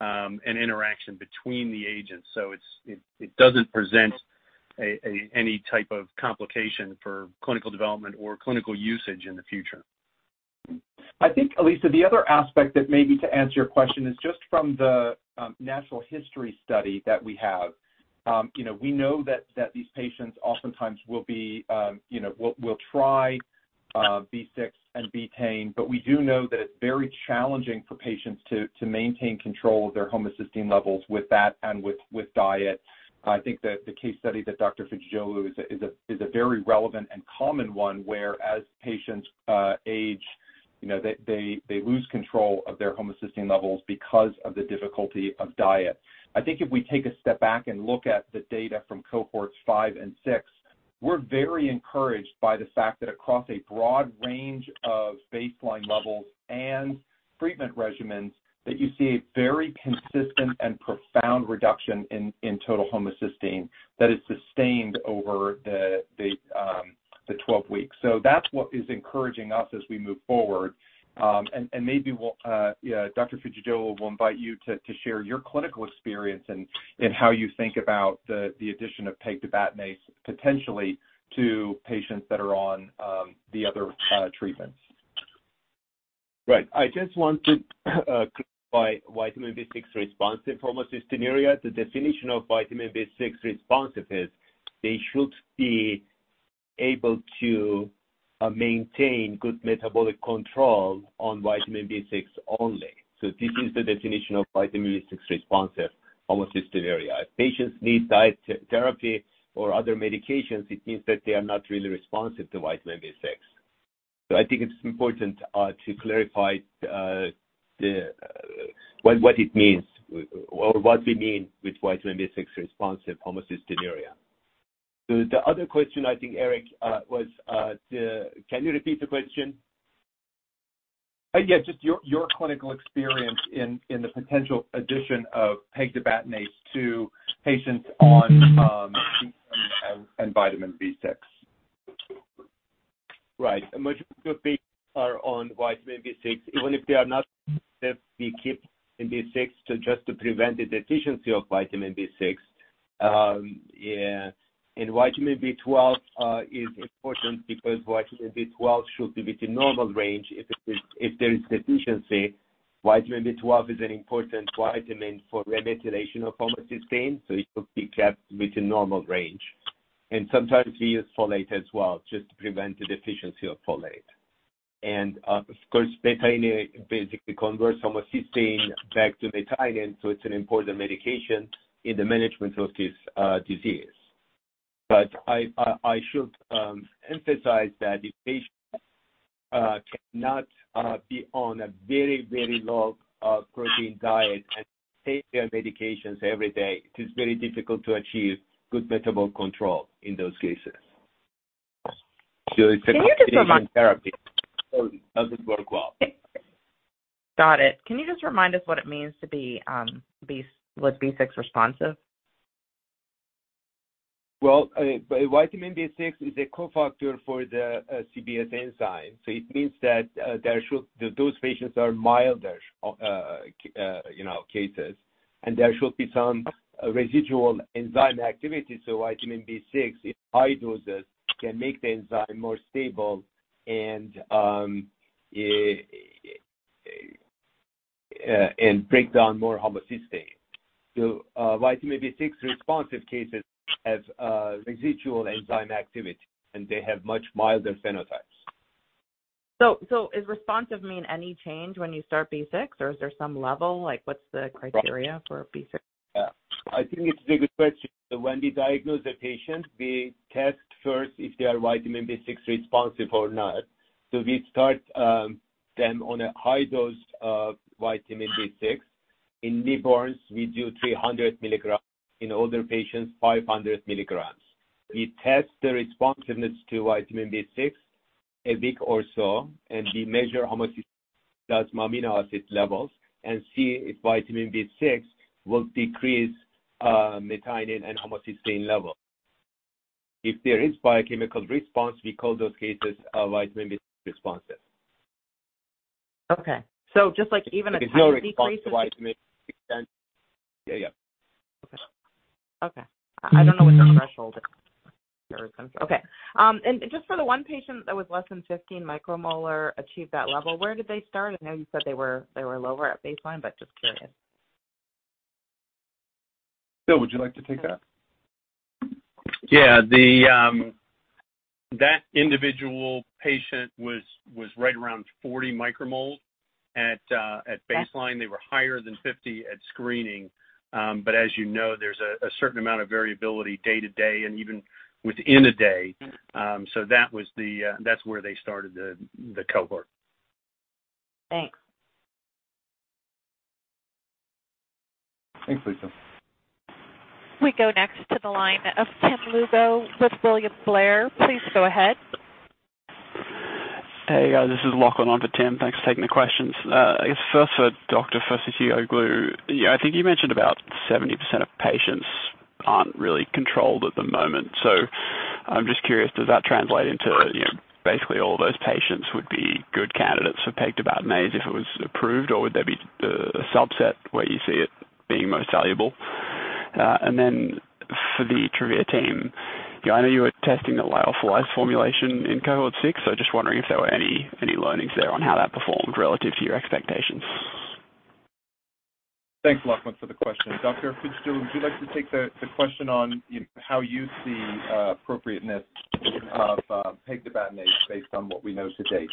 Speaker 5: We don't see an interaction between the agents, so it doesn't present any type of complication for clinical development or clinical usage in the future.
Speaker 3: I think, Liisa, the other aspect that maybe to answer your question is just from the natural history study that we have. You know, we know that these patients oftentimes will be, you know, will try B6 and betaine, but we do know that it's very challenging for patients to maintain control of their homocysteine levels with that and with diet. I think that the case study that Dr. Ficicioglu is a very relevant and common one, where as patients age, you know, they lose control of their homocysteine levels because of the difficulty of diet. I think if we take a step back and look at the data from cohorts 5 and 6, we're very encouraged by the fact that across a broad range of baseline levels and treatment regimens, that you see a very consistent and profound reduction in total homocysteine that is sustained over the 12 weeks. That's what is encouraging us as we move forward. Maybe we'll Dr. Ficicioglu, we'll invite you to share your clinical experience and how you think about the addition of pegtibatinase potentially to patients that are on the other treatments.
Speaker 4: Right. I just want to clarify Vitamin B6 response in homocystinuria. The definition of Vitamin B6 responsive is they should be able to maintain good metabolic control on Vitamin B6 only. This is the definition of Vitamin B6 responsive Homocystinuria. If patients need diet therapy or other medications, it means that they are not really responsive to Vitamin B6. I think it's important to clarify the what it means or what we mean with Vitamin B6-responsive Homocystinuria. The other question, I think, Eric, was the. Can you repeat the question?
Speaker 3: Yeah, just your clinical experience in the potential addition of pegtibatinase to patients on, and vitamin B6.
Speaker 4: Right. Most patients are on vitamin B6. Even if they are not, we keep B6 to just to prevent the deficiency of vitamin B6. Vitamin B12 is important because vitamin B12 should be within normal range. If there is deficiency, vitamin B12 is an important vitamin for remethylation of homocysteine, so it should be kept within normal range. Sometimes we use folate as well, just to prevent the deficiency of folate. Of course, betaine basically converts homocysteine back to methionine, so it's an important medication in the management of this disease. I should emphasize that if patients cannot be on a very, very low protein diet and take their medications every day, it is very difficult to achieve good metabolic control in those cases. It's
Speaker 11: Can you just remind-
Speaker 4: A therapy, so it doesn't work well.
Speaker 11: Got it. Can you just remind us what it means to be with B6 responsive?
Speaker 4: Well, vitamin B6 is a cofactor for the CBS enzyme. It means that those patients are milder, you know, cases, and there should be some residual enzyme activity. Vitamin B6, if high doses, can make the enzyme more stable and break down more homocysteine. Vitamin B6-responsive cases have a residual enzyme activity, and they have much milder phenotypes.
Speaker 11: Is responsive mean any change when you start B6, or is there some level? Like, what's the criteria for B6?
Speaker 4: I think it's a good question. When we diagnose a patient, we test first if they are vitamin B6 responsive or not. We start them on a high dose of vitamin B6. In newborns, we do 300 mg. In older patients, 500 mg. We test the responsiveness to vitamin B6, a week or so, and we measure homocysteine, plasma amino acid levels and see if vitamin B6 will decrease methionine and homocysteine level. If there is biochemical response, we call those cases, vitamin responsive.
Speaker 11: Okay. Just like even a tiny decrease.
Speaker 4: There's no response to vitamin. Yeah, yeah.
Speaker 11: Okay. Okay. I don't know what the threshold is. Okay. Just for the one patient that was less than 15 micromolar achieved that level, where did they start? I know you said they were lower at baseline. Just curious.
Speaker 3: Bill, would you like to take that?
Speaker 5: Yeah, the that individual patient was right around 40 micromole at baseline. They were higher than 50 at screening. As you know, there's a certain amount of variability day to day and even within a day. That was the that's where they started the cohort.
Speaker 11: Thanks.
Speaker 3: Thanks, Liisa.
Speaker 1: We go next to the line of Tim Lugo with William Blair. Please go ahead.
Speaker 12: Hey, guys, this is Lachlan on for Tim. Thanks for taking the questions. I guess first for Dr. Ficicioglu, yeah, I think you mentioned about 70% of patients aren't really controlled at the moment. I'm just curious, does that translate into, you know, basically all those patients would be good candidates for pegtibatinase if it was approved, or would there be a subset where you see it being most valuable? For the Travere team, I know you were testing the lyophilized formulation in cohort 6, so just wondering if there were any learnings there on how that performed relative to your expectations.
Speaker 3: Thanks, Lachlan, for the question. Dr. Ficicioglu, would you like to take the question on, you know, how you see appropriateness of pegtibatinase based on what we know to date?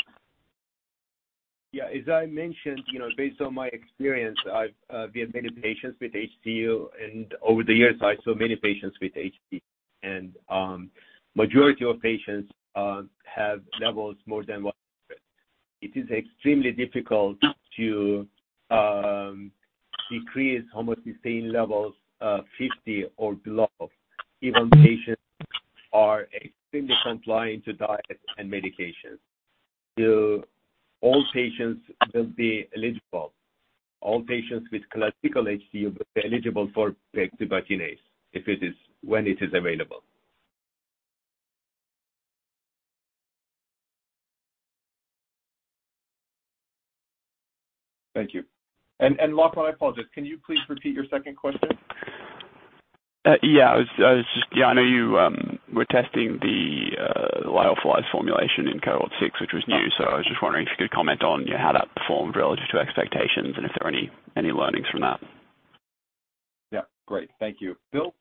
Speaker 4: Yeah. As I mentioned, you know, based on my experience, we have many patients with HCU. Over the years, I saw many patients with HCU. Majority of patients have levels more than what. It is extremely difficult to decrease homocysteine levels 50 or below, even patients are extremely compliant to diet and medication. All patients will be eligible. All patients with classical HCU will be eligible for pegtibatinase if it is, when it is available.
Speaker 3: Thank you. Lachlan, I apologize, can you please repeat your second question?
Speaker 12: Yeah. I was just... Yeah, I know you were testing the lyophilized formulation in cohort 6, which was new. I was just wondering if you could comment on how that performed relative to expectations and if there are any learnings from that.
Speaker 3: Great. Thank you. Bill,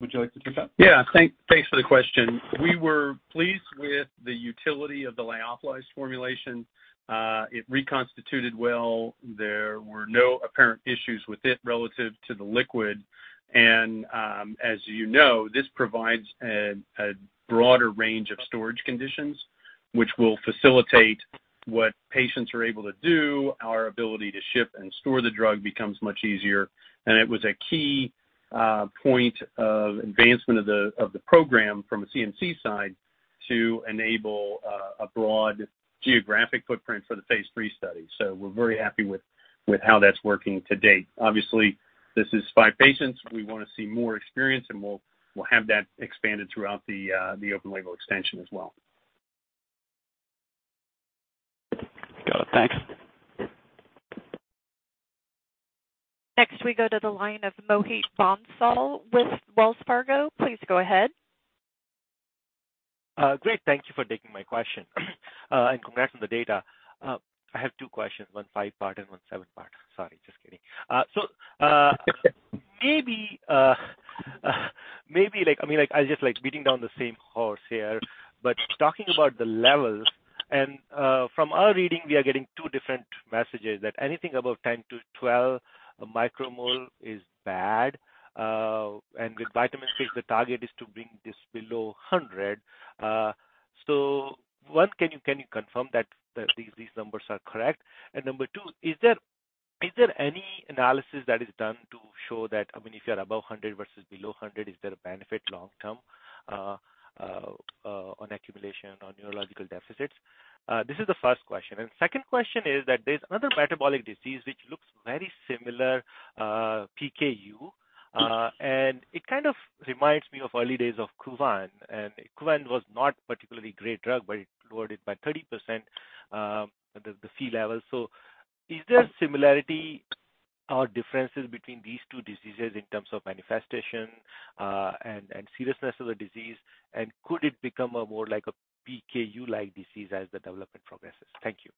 Speaker 3: would you like to take that?
Speaker 5: Yeah. Thanks for the question. We were pleased with the utility of the lyophilized formulation. It reconstituted well, there were no apparent issues with it relative to the liquid. As you know, this provides a broader range of storage conditions, which will facilitate what patients are able to do. Our ability to ship and store the drug becomes much easier, and it was a key point of advancement of the program from a CMC side to enable a broad geographic footprint for the phase three study. We're very happy with how that's working to date. Obviously, this is 5 patients. We want to see more experience, and we'll have that expanded throughout the open-label extension as well.
Speaker 12: Got it. Thanks.
Speaker 1: We go to the line of Mohit Bansal with Wells Fargo. Please go ahead.
Speaker 13: Great. Thank you for taking my question. Congrats on the data. I have two questions, one five-part and one seven-part. Sorry, just kidding. Maybe like, I mean, like, I just like beating down the same horse here, but talking about the levels, and from our reading, we are getting two different messages: that anything above 10-12 micromole is bad, and with vitamin C, the target is to bring this below 100. One, can you confirm that these numbers are correct? Number two, is there any analysis that is done to show that, I mean, if you are above 100 versus below 100, is there a benefit long term on accumulation or neurological deficits? This is the first question. Second question is that there's another metabolic disease which looks very similar, PKU, and it kind of reminds me of early days of KUVAN. KUVAN was not particularly great drug, but it lowered it by 30%, the Phe levels. Is there similarity or differences between these two diseases in terms of manifestation, and seriousness of the disease? Could it become a more like a PKU-like disease as the development progresses? Thank you.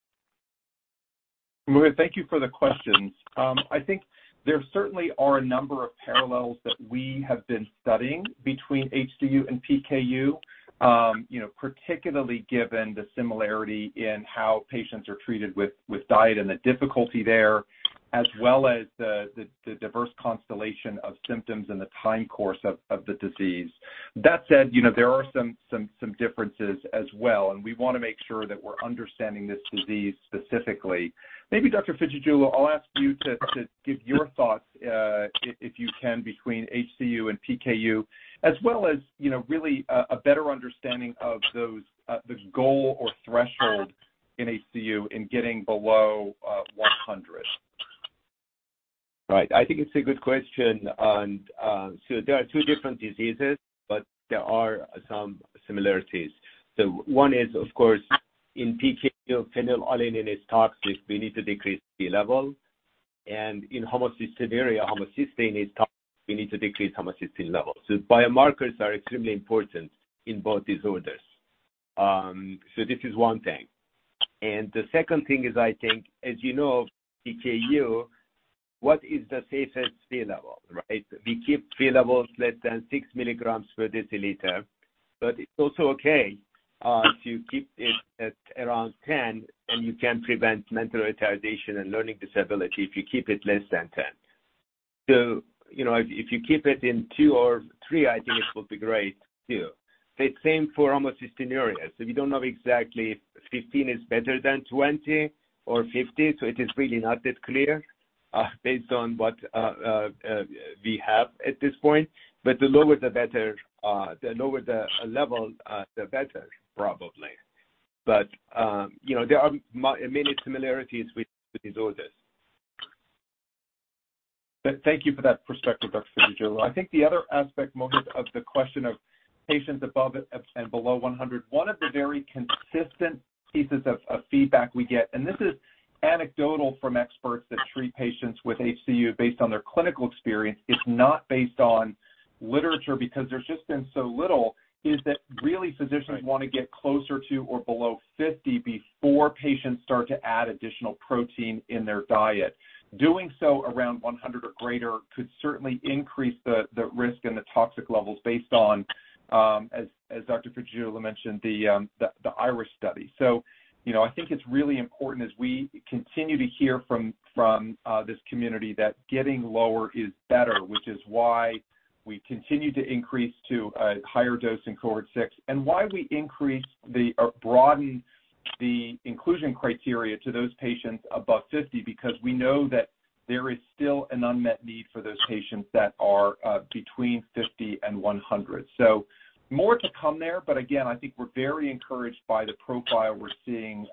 Speaker 3: Mohit, thank you for the questions. I think there certainly are a number of parallels that we have been studying between HCU and PKU. You know, particularly given the similarity in how patients are treated with diet and the difficulty there, as well as the diverse constellation of symptoms and the time course of the disease. That said, you know, there are some differences as well, and we want to make sure that we're understanding this disease specifically. Maybe Dr. Ficicioglu, I'll ask you to give your thoughts, if you can, between HCU and PKU, as well as, you know, really a better understanding of those, the goal or threshold in HCU in getting below 100.
Speaker 4: Right. I think it's a good question, and so there are two different diseases, but there are some similarities. One is, of course, in PKU, phenylalanine is toxic. We need to decrease Phe level, and in homocystinuria, homocysteine is toxic. We need to decrease homocysteine levels. Biomarkers are extremely important in both disorders. This is one thing. The second thing is, I think, as you know, PKU, what is the safest Phe level, right? We keep Phe levels less than 6 mg/dl, but it's also okay to keep it at around 10, and you can prevent mental retardation and learning disability if you keep it less than 10. You know, if you keep it in two or three, I think it will be great too. The same for homocystinuria. We don't know exactly if 15 is better than 20 or 50, it is really not that clear, based on what we have at this point. The lower, the better. The lower the level, the better, probably. You know, there are many similarities with these disorders.
Speaker 3: Thank you for that perspective, Dr. Ficicioglu. I think the other aspect, Mohit, of the question of patients above and below 100, one of the very consistent pieces of feedback we get, and this is anecdotal from experts that treat patients with HCU based on their clinical experience, it's not based on literature, because there's just been so little, is that really physicians-
Speaker 4: Right....
Speaker 3: want to get closer to or below 50 before patients start to add additional protein in their diet. Doing so around 100 or greater could certainly increase the risk and the toxic levels based on as Dr. Ficicioglu mentioned, the Irish study. You know, I think it's really important as we continue to hear from this community, that getting lower is better, which is why we continue to increase to a higher dose in cohort 6 and why we increased the, or broadened the inclusion criteria to those patients above 50, because we know that there is still an unmet need for those patients that are between 50 and 100. More to come there, but again, I think we're very encouraged by the profile we're seeing,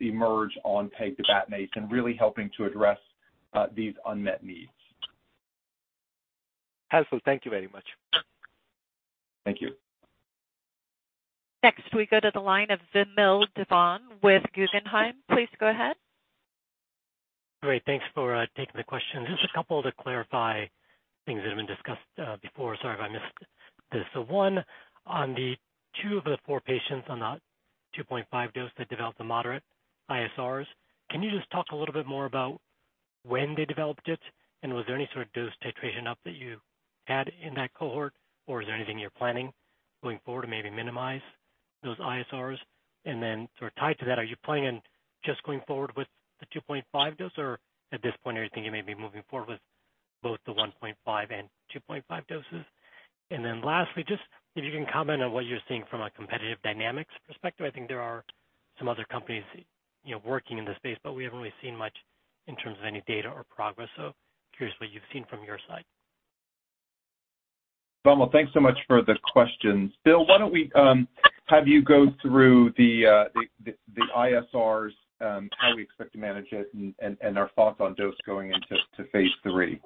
Speaker 3: emerge on pegtibatinase and really helping to address, these unmet needs.
Speaker 13: Helpful. Thank you very much.
Speaker 3: Thank you.
Speaker 1: Next, we go to the line of Vamil Divan with Guggenheim. Please go ahead.
Speaker 14: Great, thanks for taking the question. Just a couple to clarify things that have been discussed before. Sorry if I missed this. One, on the two of the four patients on the 2.5 dose that developed the moderate ISRs, can you just talk a little bit more about when they developed it? Was there any sort of dose titration up that you had in that cohort, or is there anything you're planning going forward to maybe minimize those ISRs? Sort of tied to that, are you planning on just going forward with the 2.5 dose, or at this point, are you thinking you may be moving forward with both the 1.5 and 2.5 doses? Lastly, just if you can comment on what you're seeing from a competitive dynamics perspective. I think there are some other companies, you know, working in this space, but we haven't really seen much in terms of any data or progress. Curious what you've seen from your side.
Speaker 3: Vamil, thanks so much for the questions. Bill, why don't we have you go through the ISRs, how we expect to manage it and our thoughts on dose going into phase 3?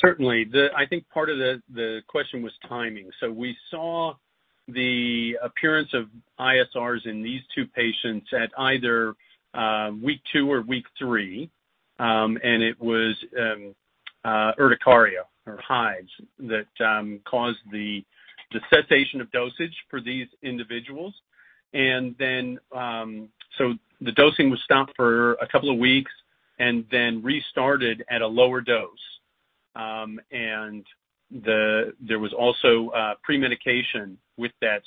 Speaker 5: Certainly. I think part of the question was timing. We saw the appearance of ISRs in these two patients at either week 2 or week 3, and it was urticaria or hives that caused the cessation of dosage for these individuals. The dosing was stopped for two weeks and then restarted at a lower dose. There was also premedication with that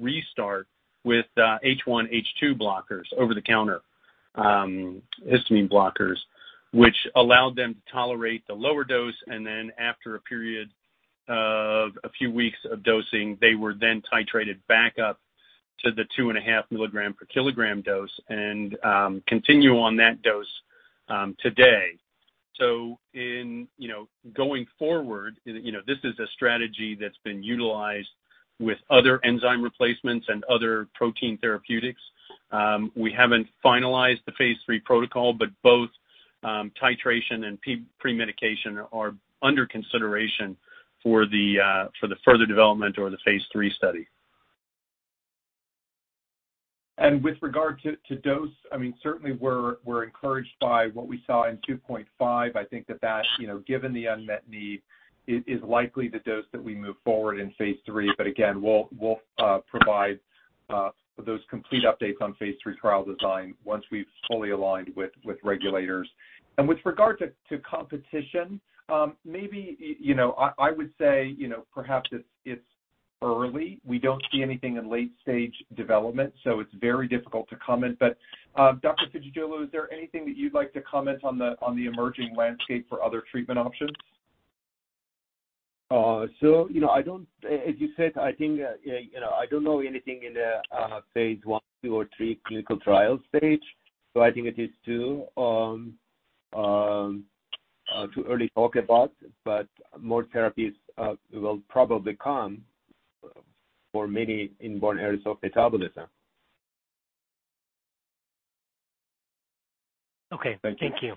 Speaker 5: restart with H1, H2 blockers, over-the-counter, histamine blockers, which allowed them to tolerate the lower dose. After a period of a few weeks of dosing, they were then titrated back up to the 2.5 mg/kg dose and continue on that dose today. In, you know, going forward, you know, this is a strategy that's been utilized with other enzyme replacements and other protein therapeutics. We haven't finalized the phase 3 protocol, but both titration and premedication are under consideration for the further development or the phase 3 study.
Speaker 3: With regard to dose, I mean, certainly we're encouraged by what we saw in 2.5. I think that, you know, given the unmet need, it is likely the dose that we move forward in phase 3, but again, we'll provide those complete updates on phase 3 trial design once we've fully aligned with regulators. With regard to competition, maybe, you know, I would say, you know, perhaps it's early. We don't see anything in late stage development, so it's very difficult to comment. Dr. Ficicioglu, is there anything that you'd like to comment on the emerging landscape for other treatment options?
Speaker 4: You know, As you said, I think, you know, I don't know anything in the phase 1, 2, or 3 clinical trials stage, so I think it is too early to talk about, but more therapies will probably come for many inborn errors of metabolism.
Speaker 5: Okay, thank you.
Speaker 14: Thank you.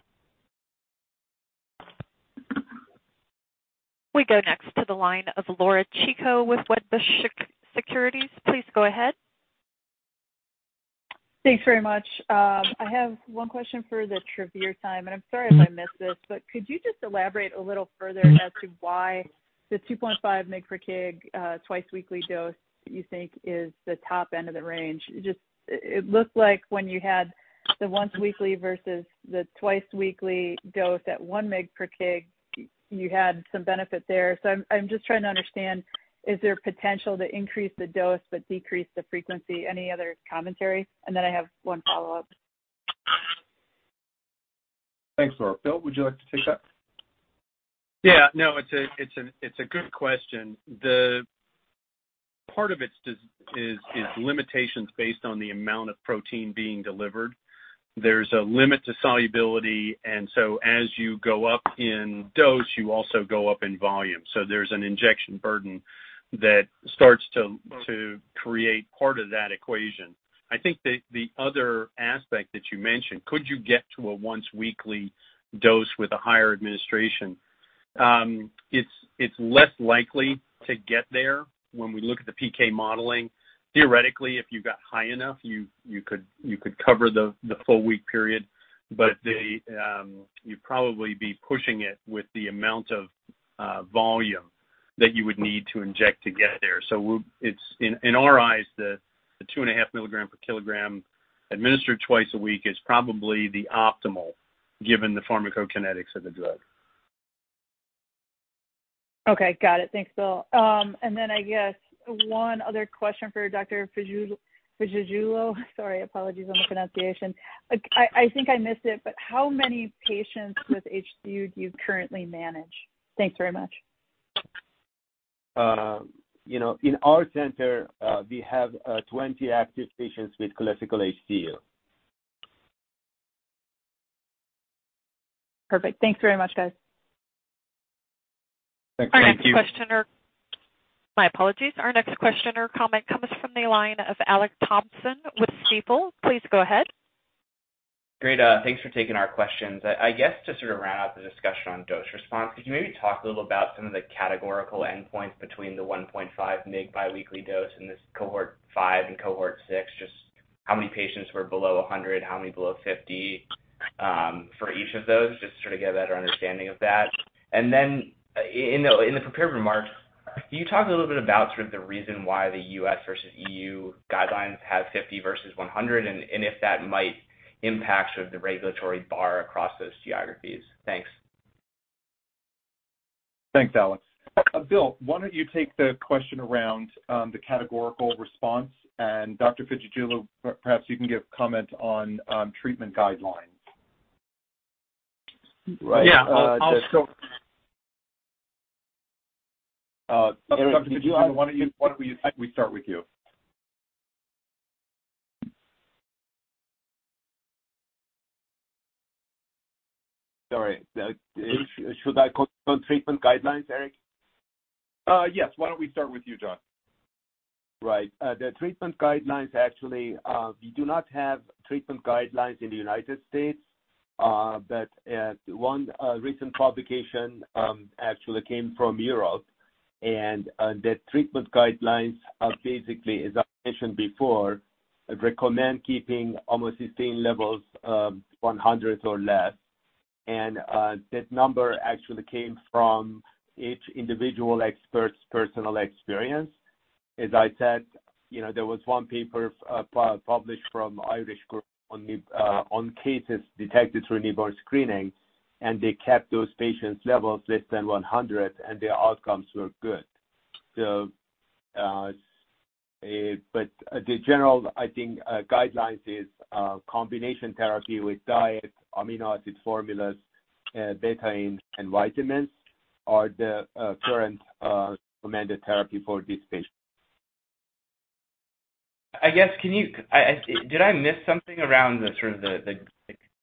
Speaker 1: We go next to the line of Laura Chico with Wedbush Securities. Please go ahead.
Speaker 15: Thanks very much. I have one question for the Travere team, I'm sorry if I missed this, but could you just elaborate a little further as to why the 2.5 mg/kg twice-weekly dose, you think is the top end of the range? It looked like when you had the once-weekly versus the twice-weekly dose at 1 mg/kg, you had some benefit there. I'm just trying to understand, is there potential to increase the dose but decrease the frequency? Any other commentary? Then I have one follow-up.
Speaker 3: Thanks, Laura. Bill, would you like to take that?
Speaker 5: Yeah. No, it's a good question. The part of it is limitations based on the amount of protein being delivered. There's a limit to solubility, and so as you go up in dose, you also go up in volume. There's an injection burden that starts to create part of that equation. I think the other aspect that you mentioned, could you get to a once-weekly dose with a higher administration? It's less likely to get there when we look at the PK modeling. Theoretically, if you got high enough, you could cover the full week period, but you'd probably be pushing it with the amount of volume that you would need to inject to get there. It's, in our eyes, the 2.5 mg/kg, administered twice a week, is probably the optimal, given the pharmacokinetics of the drug.
Speaker 15: Okay, got it. Thanks, Bill. I guess one other question for Dr. Ficicioglu. Sorry, apologies on the pronunciation. I think I missed it, but how many patients with HCU do you currently manage? Thanks very much.
Speaker 4: You know, in our center, we have 20 active patients with classical HCU.
Speaker 15: Perfect. Thanks very much, guys.
Speaker 3: Thank you.
Speaker 1: My apologies. Our next question or comment comes from the line of Alex Thompson with Stifel. Please go ahead.
Speaker 16: Great, thanks for taking our questions. I guess to sort of round out the discussion on dose response, could you maybe talk a little about some of the categorical endpoints between the 1.5 mg biweekly dose in this cohort 5 and cohort 6? Just how many patients were below 100, how many below 50, for each of those, just to sort of get a better understanding of that. And then in the prepared remarks, can you talk a little bit about sort of the reason why the U.S. versus EU guidelines have 50 versus 100, and if that might impact sort of the regulatory bar across those geographies? Thanks.
Speaker 3: Thanks, Alex. Bill, why don't you take the question around the categorical response. Dr. Ficicioglu, perhaps you can give comment on treatment guidelines.
Speaker 5: Right.
Speaker 3: Dr. Ficicioglu, why don't we start with you.
Speaker 4: Sorry, should I comment on treatment guidelines, Eric?
Speaker 3: Yes. Why don't we start with you, Can?
Speaker 4: Right. The treatment guidelines, we do not have treatment guidelines in the United States. One recent publication came from Europe, and the treatment guidelines are basically, as I mentioned before, recommend keeping homocysteine levels 100 or less. That number came from each individual expert's personal experience. As I said, you know, there was one paper published from Irish group on the cases detected through newborn screening, and they kept those patients' levels less than 100, and their outcomes were good. But the general, I think, guidelines is combination therapy with diet, amino acid formulas, betaine and vitamins are the current recommended therapy for these patients.
Speaker 16: I guess, can you... did I miss something around the sort of the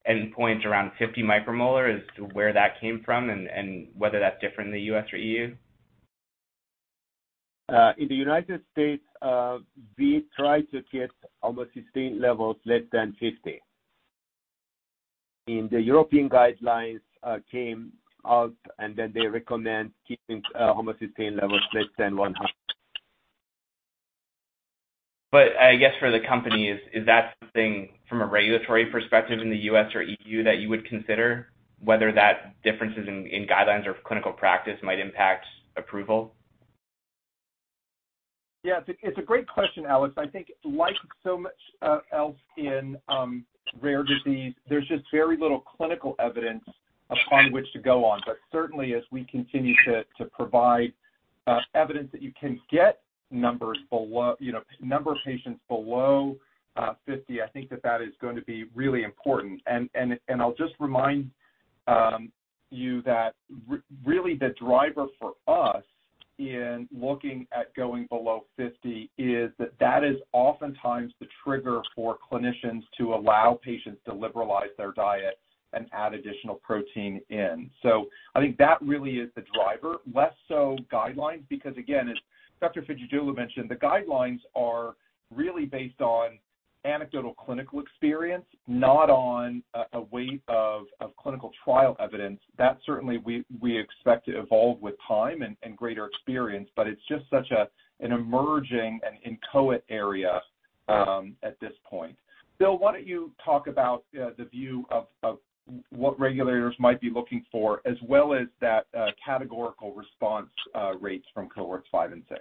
Speaker 16: endpoint around 50 micromolar as to where that came from and whether that's different in the U.S. or EU?
Speaker 4: In the United States, we try to get homocysteine levels less than 50. In the European guidelines came out, and then they recommend keeping homocysteine levels less than 100.
Speaker 16: I guess for the company, is that something from a regulatory perspective in the U.S. or EU, that you would consider whether that differences in guidelines or clinical practice might impact approval?
Speaker 3: Yeah, it's a great question, Alex. I think like so much else in rare disease, there's just very little clinical evidence upon which to go on. But certainly, as we continue to provide evidence that you can get numbers below, you know, number of patients below 50, I think that that is going to be really important. I'll just remind you that really the driver for us in looking at going below 50 is that that is oftentimes the trigger for clinicians to allow patients to liberalize their diet and add additional protein in. I think that really is the driver, less so guidelines, because again, as Dr. Ficicioglu mentioned, the guidelines are really based on anecdotal clinical experience, not on a wave of clinical trial evidence. That certainly we expect to evolve with time and greater experience, but it's just such an emerging and inchoate area at this point. Bill, why don't you talk about the view of what regulators might be looking for, as well as that categorical response rates from cohorts 5 and 6?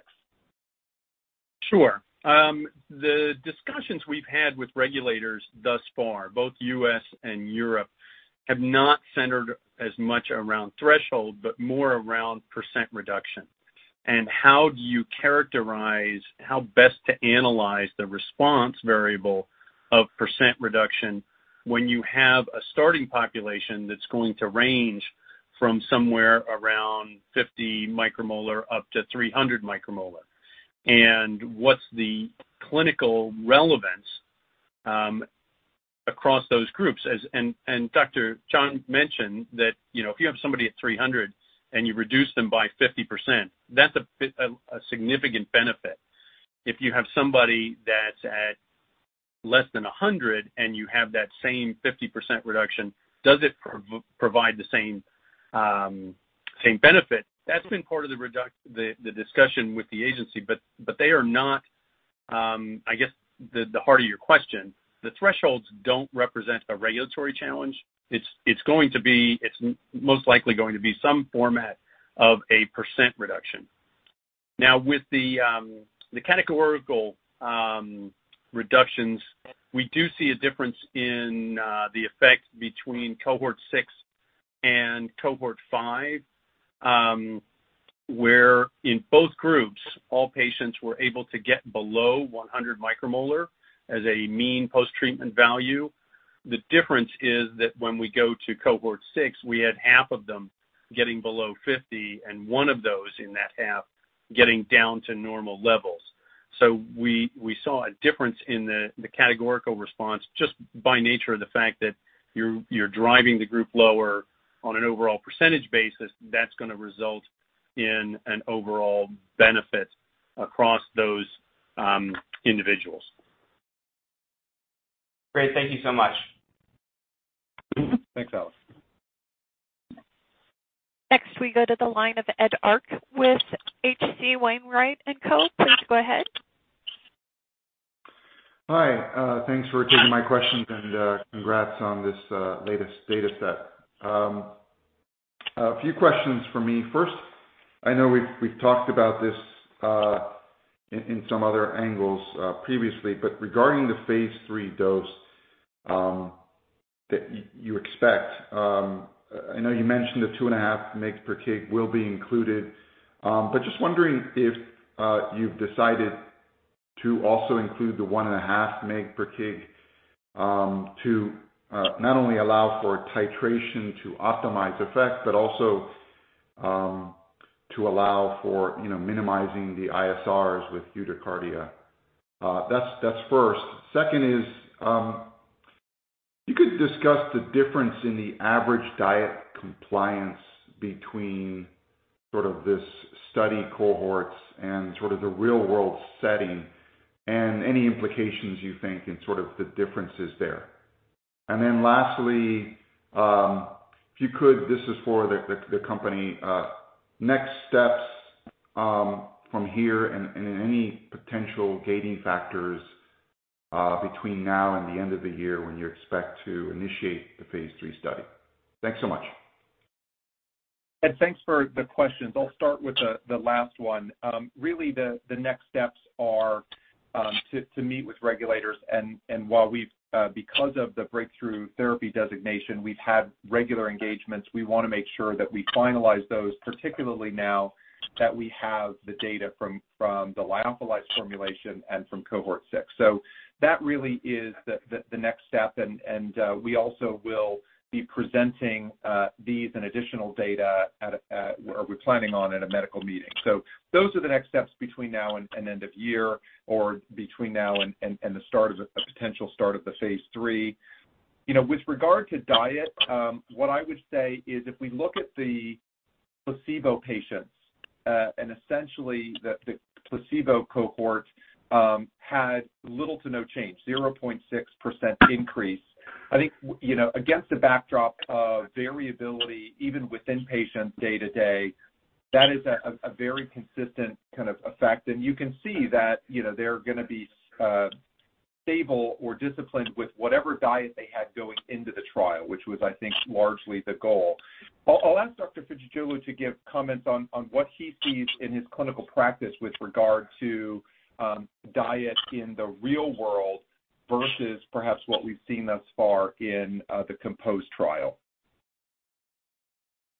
Speaker 5: Sure. The discussions we've had with regulators thus far, both U.S. and Europe, have not centered as much around threshold, but more around percent reduction. How do you characterize how best to analyze the response variable of percent reduction when you have a starting population that's going to range from somewhere around 50 micromolar up to 300 micromolar? What's the clinical relevance across those groups? Dr. Can mentioned that, you know, if you have somebody at 300 and you reduce them by 50%, that's a significant benefit. If you have somebody that's at less than 100 and you have that same 50% reduction, does it provide the same benefit? That's been part of the discussion with the agency, but they are not, I guess, the heart of your question. The thresholds don't represent a regulatory challenge. It's most likely going to be some format of a % reduction. Now, with the categorical reductions, we do see a difference in the effect between cohort 6 and cohort 5, where in both groups, all patients were able to get below 100 micromolar as a mean post-treatment value. The difference is that when we go to cohort 6, we had half of them getting below 50, and one of those in that half getting down to normal levels. We saw a difference in the categorical response, just by nature of the fact that you're driving the group lower on an overall percentage basis, that's gonna result in an overall benefit across those individuals.
Speaker 16: Great. Thank you so much.
Speaker 5: Thanks, Alex.
Speaker 1: Next, we go to the line of Ed Arce with H.C. Wainwright & Co.. Please go ahead.
Speaker 17: Hi, thanks for taking my questions and congrats on this latest data set. A few questions for me. First, I know we've talked about this in some other angles previously, but regarding the phase 3 dose that you expect, I know you mentioned the 2.5 mg/kg will be included, but just wondering if you've decided to also include the 1.5 mg/kg to not only allow for titration to optimize effects, but also to allow for, you know, minimizing the ISRs with urticaria. That's first. Second is, you could discuss the difference in the average diet compliance between sort of this study cohorts and sort of the real-world setting, and any implications you think, and sort of the differences there. And then lastly, if you could, this is for the company, next steps from here and any potential gating factors between now and the end of the year when you expect to initiate the phase three study. Thanks so much.
Speaker 3: Ed, thanks for the questions. I'll start with the last one. Really, the next steps are to meet with regulators, and while we've because of the Breakthrough Therapy designation, we've had regular engagements, we wanna make sure that we finalize those, particularly now that we have the data from the lyophilized formulation and from cohort 6. That really is the next step, and we also will be presenting these and additional data, or we're planning on at a medical meeting. Those are the next steps between now and end of year or between now and the start of a potential start of the phase 3. You know, with regard to diet, what I would say is if we look at the placebo patients, and essentially the placebo cohort had little to no change, 0.6% increase. I think, you know, against the backdrop of variability, even within patients day to day, that is a very consistent kind of effect. You can see that, you know, they're gonna be stable or disciplined with whatever diet they had going into the trial, which was, I think, largely the goal. I'll ask Dr. Ficicioglu to give comments on what he sees in his clinical practice with regard to diet in the real world versus perhaps what we've seen thus far in the COMPOSE trial.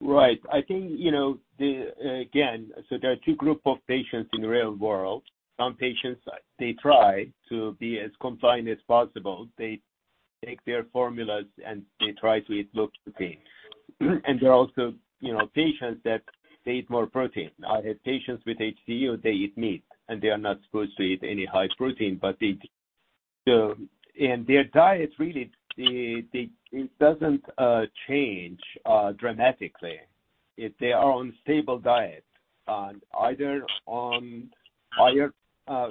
Speaker 4: Right. I think, you know, the again, there are two groups of patients in the real world. Some patients, they try to be as compliant as possible. They take their formulas, they try to eat low protein. There are also, you know, patients that they eat more protein. I have patients with HCU, they eat meat, and they are not supposed to eat any high protein, but they do. Their diet really, they It doesn't change dramatically. If they are on stable diet and either on higher,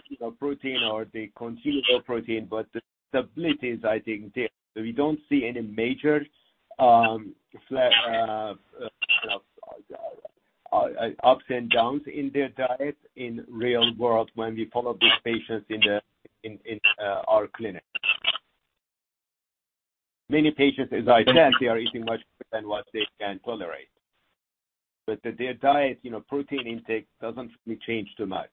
Speaker 4: you know, protein or they continue low protein, but the stability is, I think, there. We don't see any major flat ups and downs in their diet in real world when we follow these patients in the our clinic. Many patients, as I said, they are eating much than what they can tolerate, but their diet, you know, protein intake doesn't really change too much.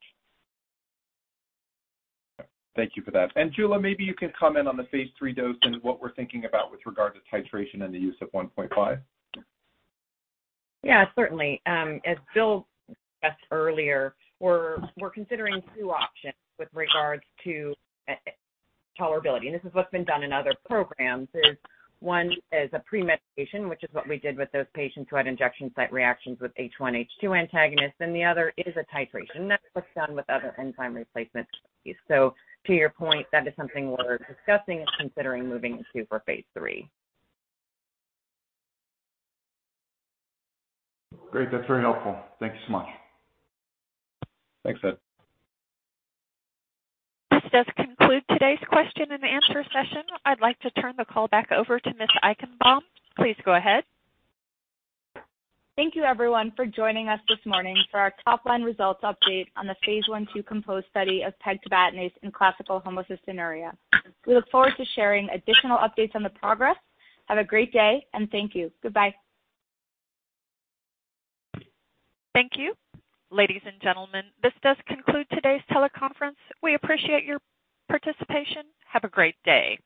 Speaker 3: Thank you for that. Jula, maybe you can comment on the phase 3 dose and what we're thinking about with regard to titration and the use of 1.5.
Speaker 7: Yeah, certainly. As Bill said earlier, we're considering two options with regards to tolerability. This is what's been done in other programs. There's one as a premedication, which is what we did with those patients who had injection site reactions with H1, H2 antagonists. The other is a titration. That's what's done with other enzyme replacement. To your point, that is something we're discussing and considering moving into for phase 3.
Speaker 17: Great. That's very helpful. Thank you so much.
Speaker 3: Thanks, Ed.
Speaker 1: This does conclude today's question and answer session. I'd like to turn the call back over to Ms. Eichenbaum. Please go ahead.
Speaker 2: Thank you, everyone, for joining us this morning for our top-line results update on the phase 1/2 COMPOSE study of pegtibatinase in classical homocystinuria. We look forward to sharing additional updates on the progress. Have a great day, and thank you. Goodbye.
Speaker 1: Thank you. Ladies and gentlemen, this does conclude today's teleconference. We appreciate your participation. Have a great day.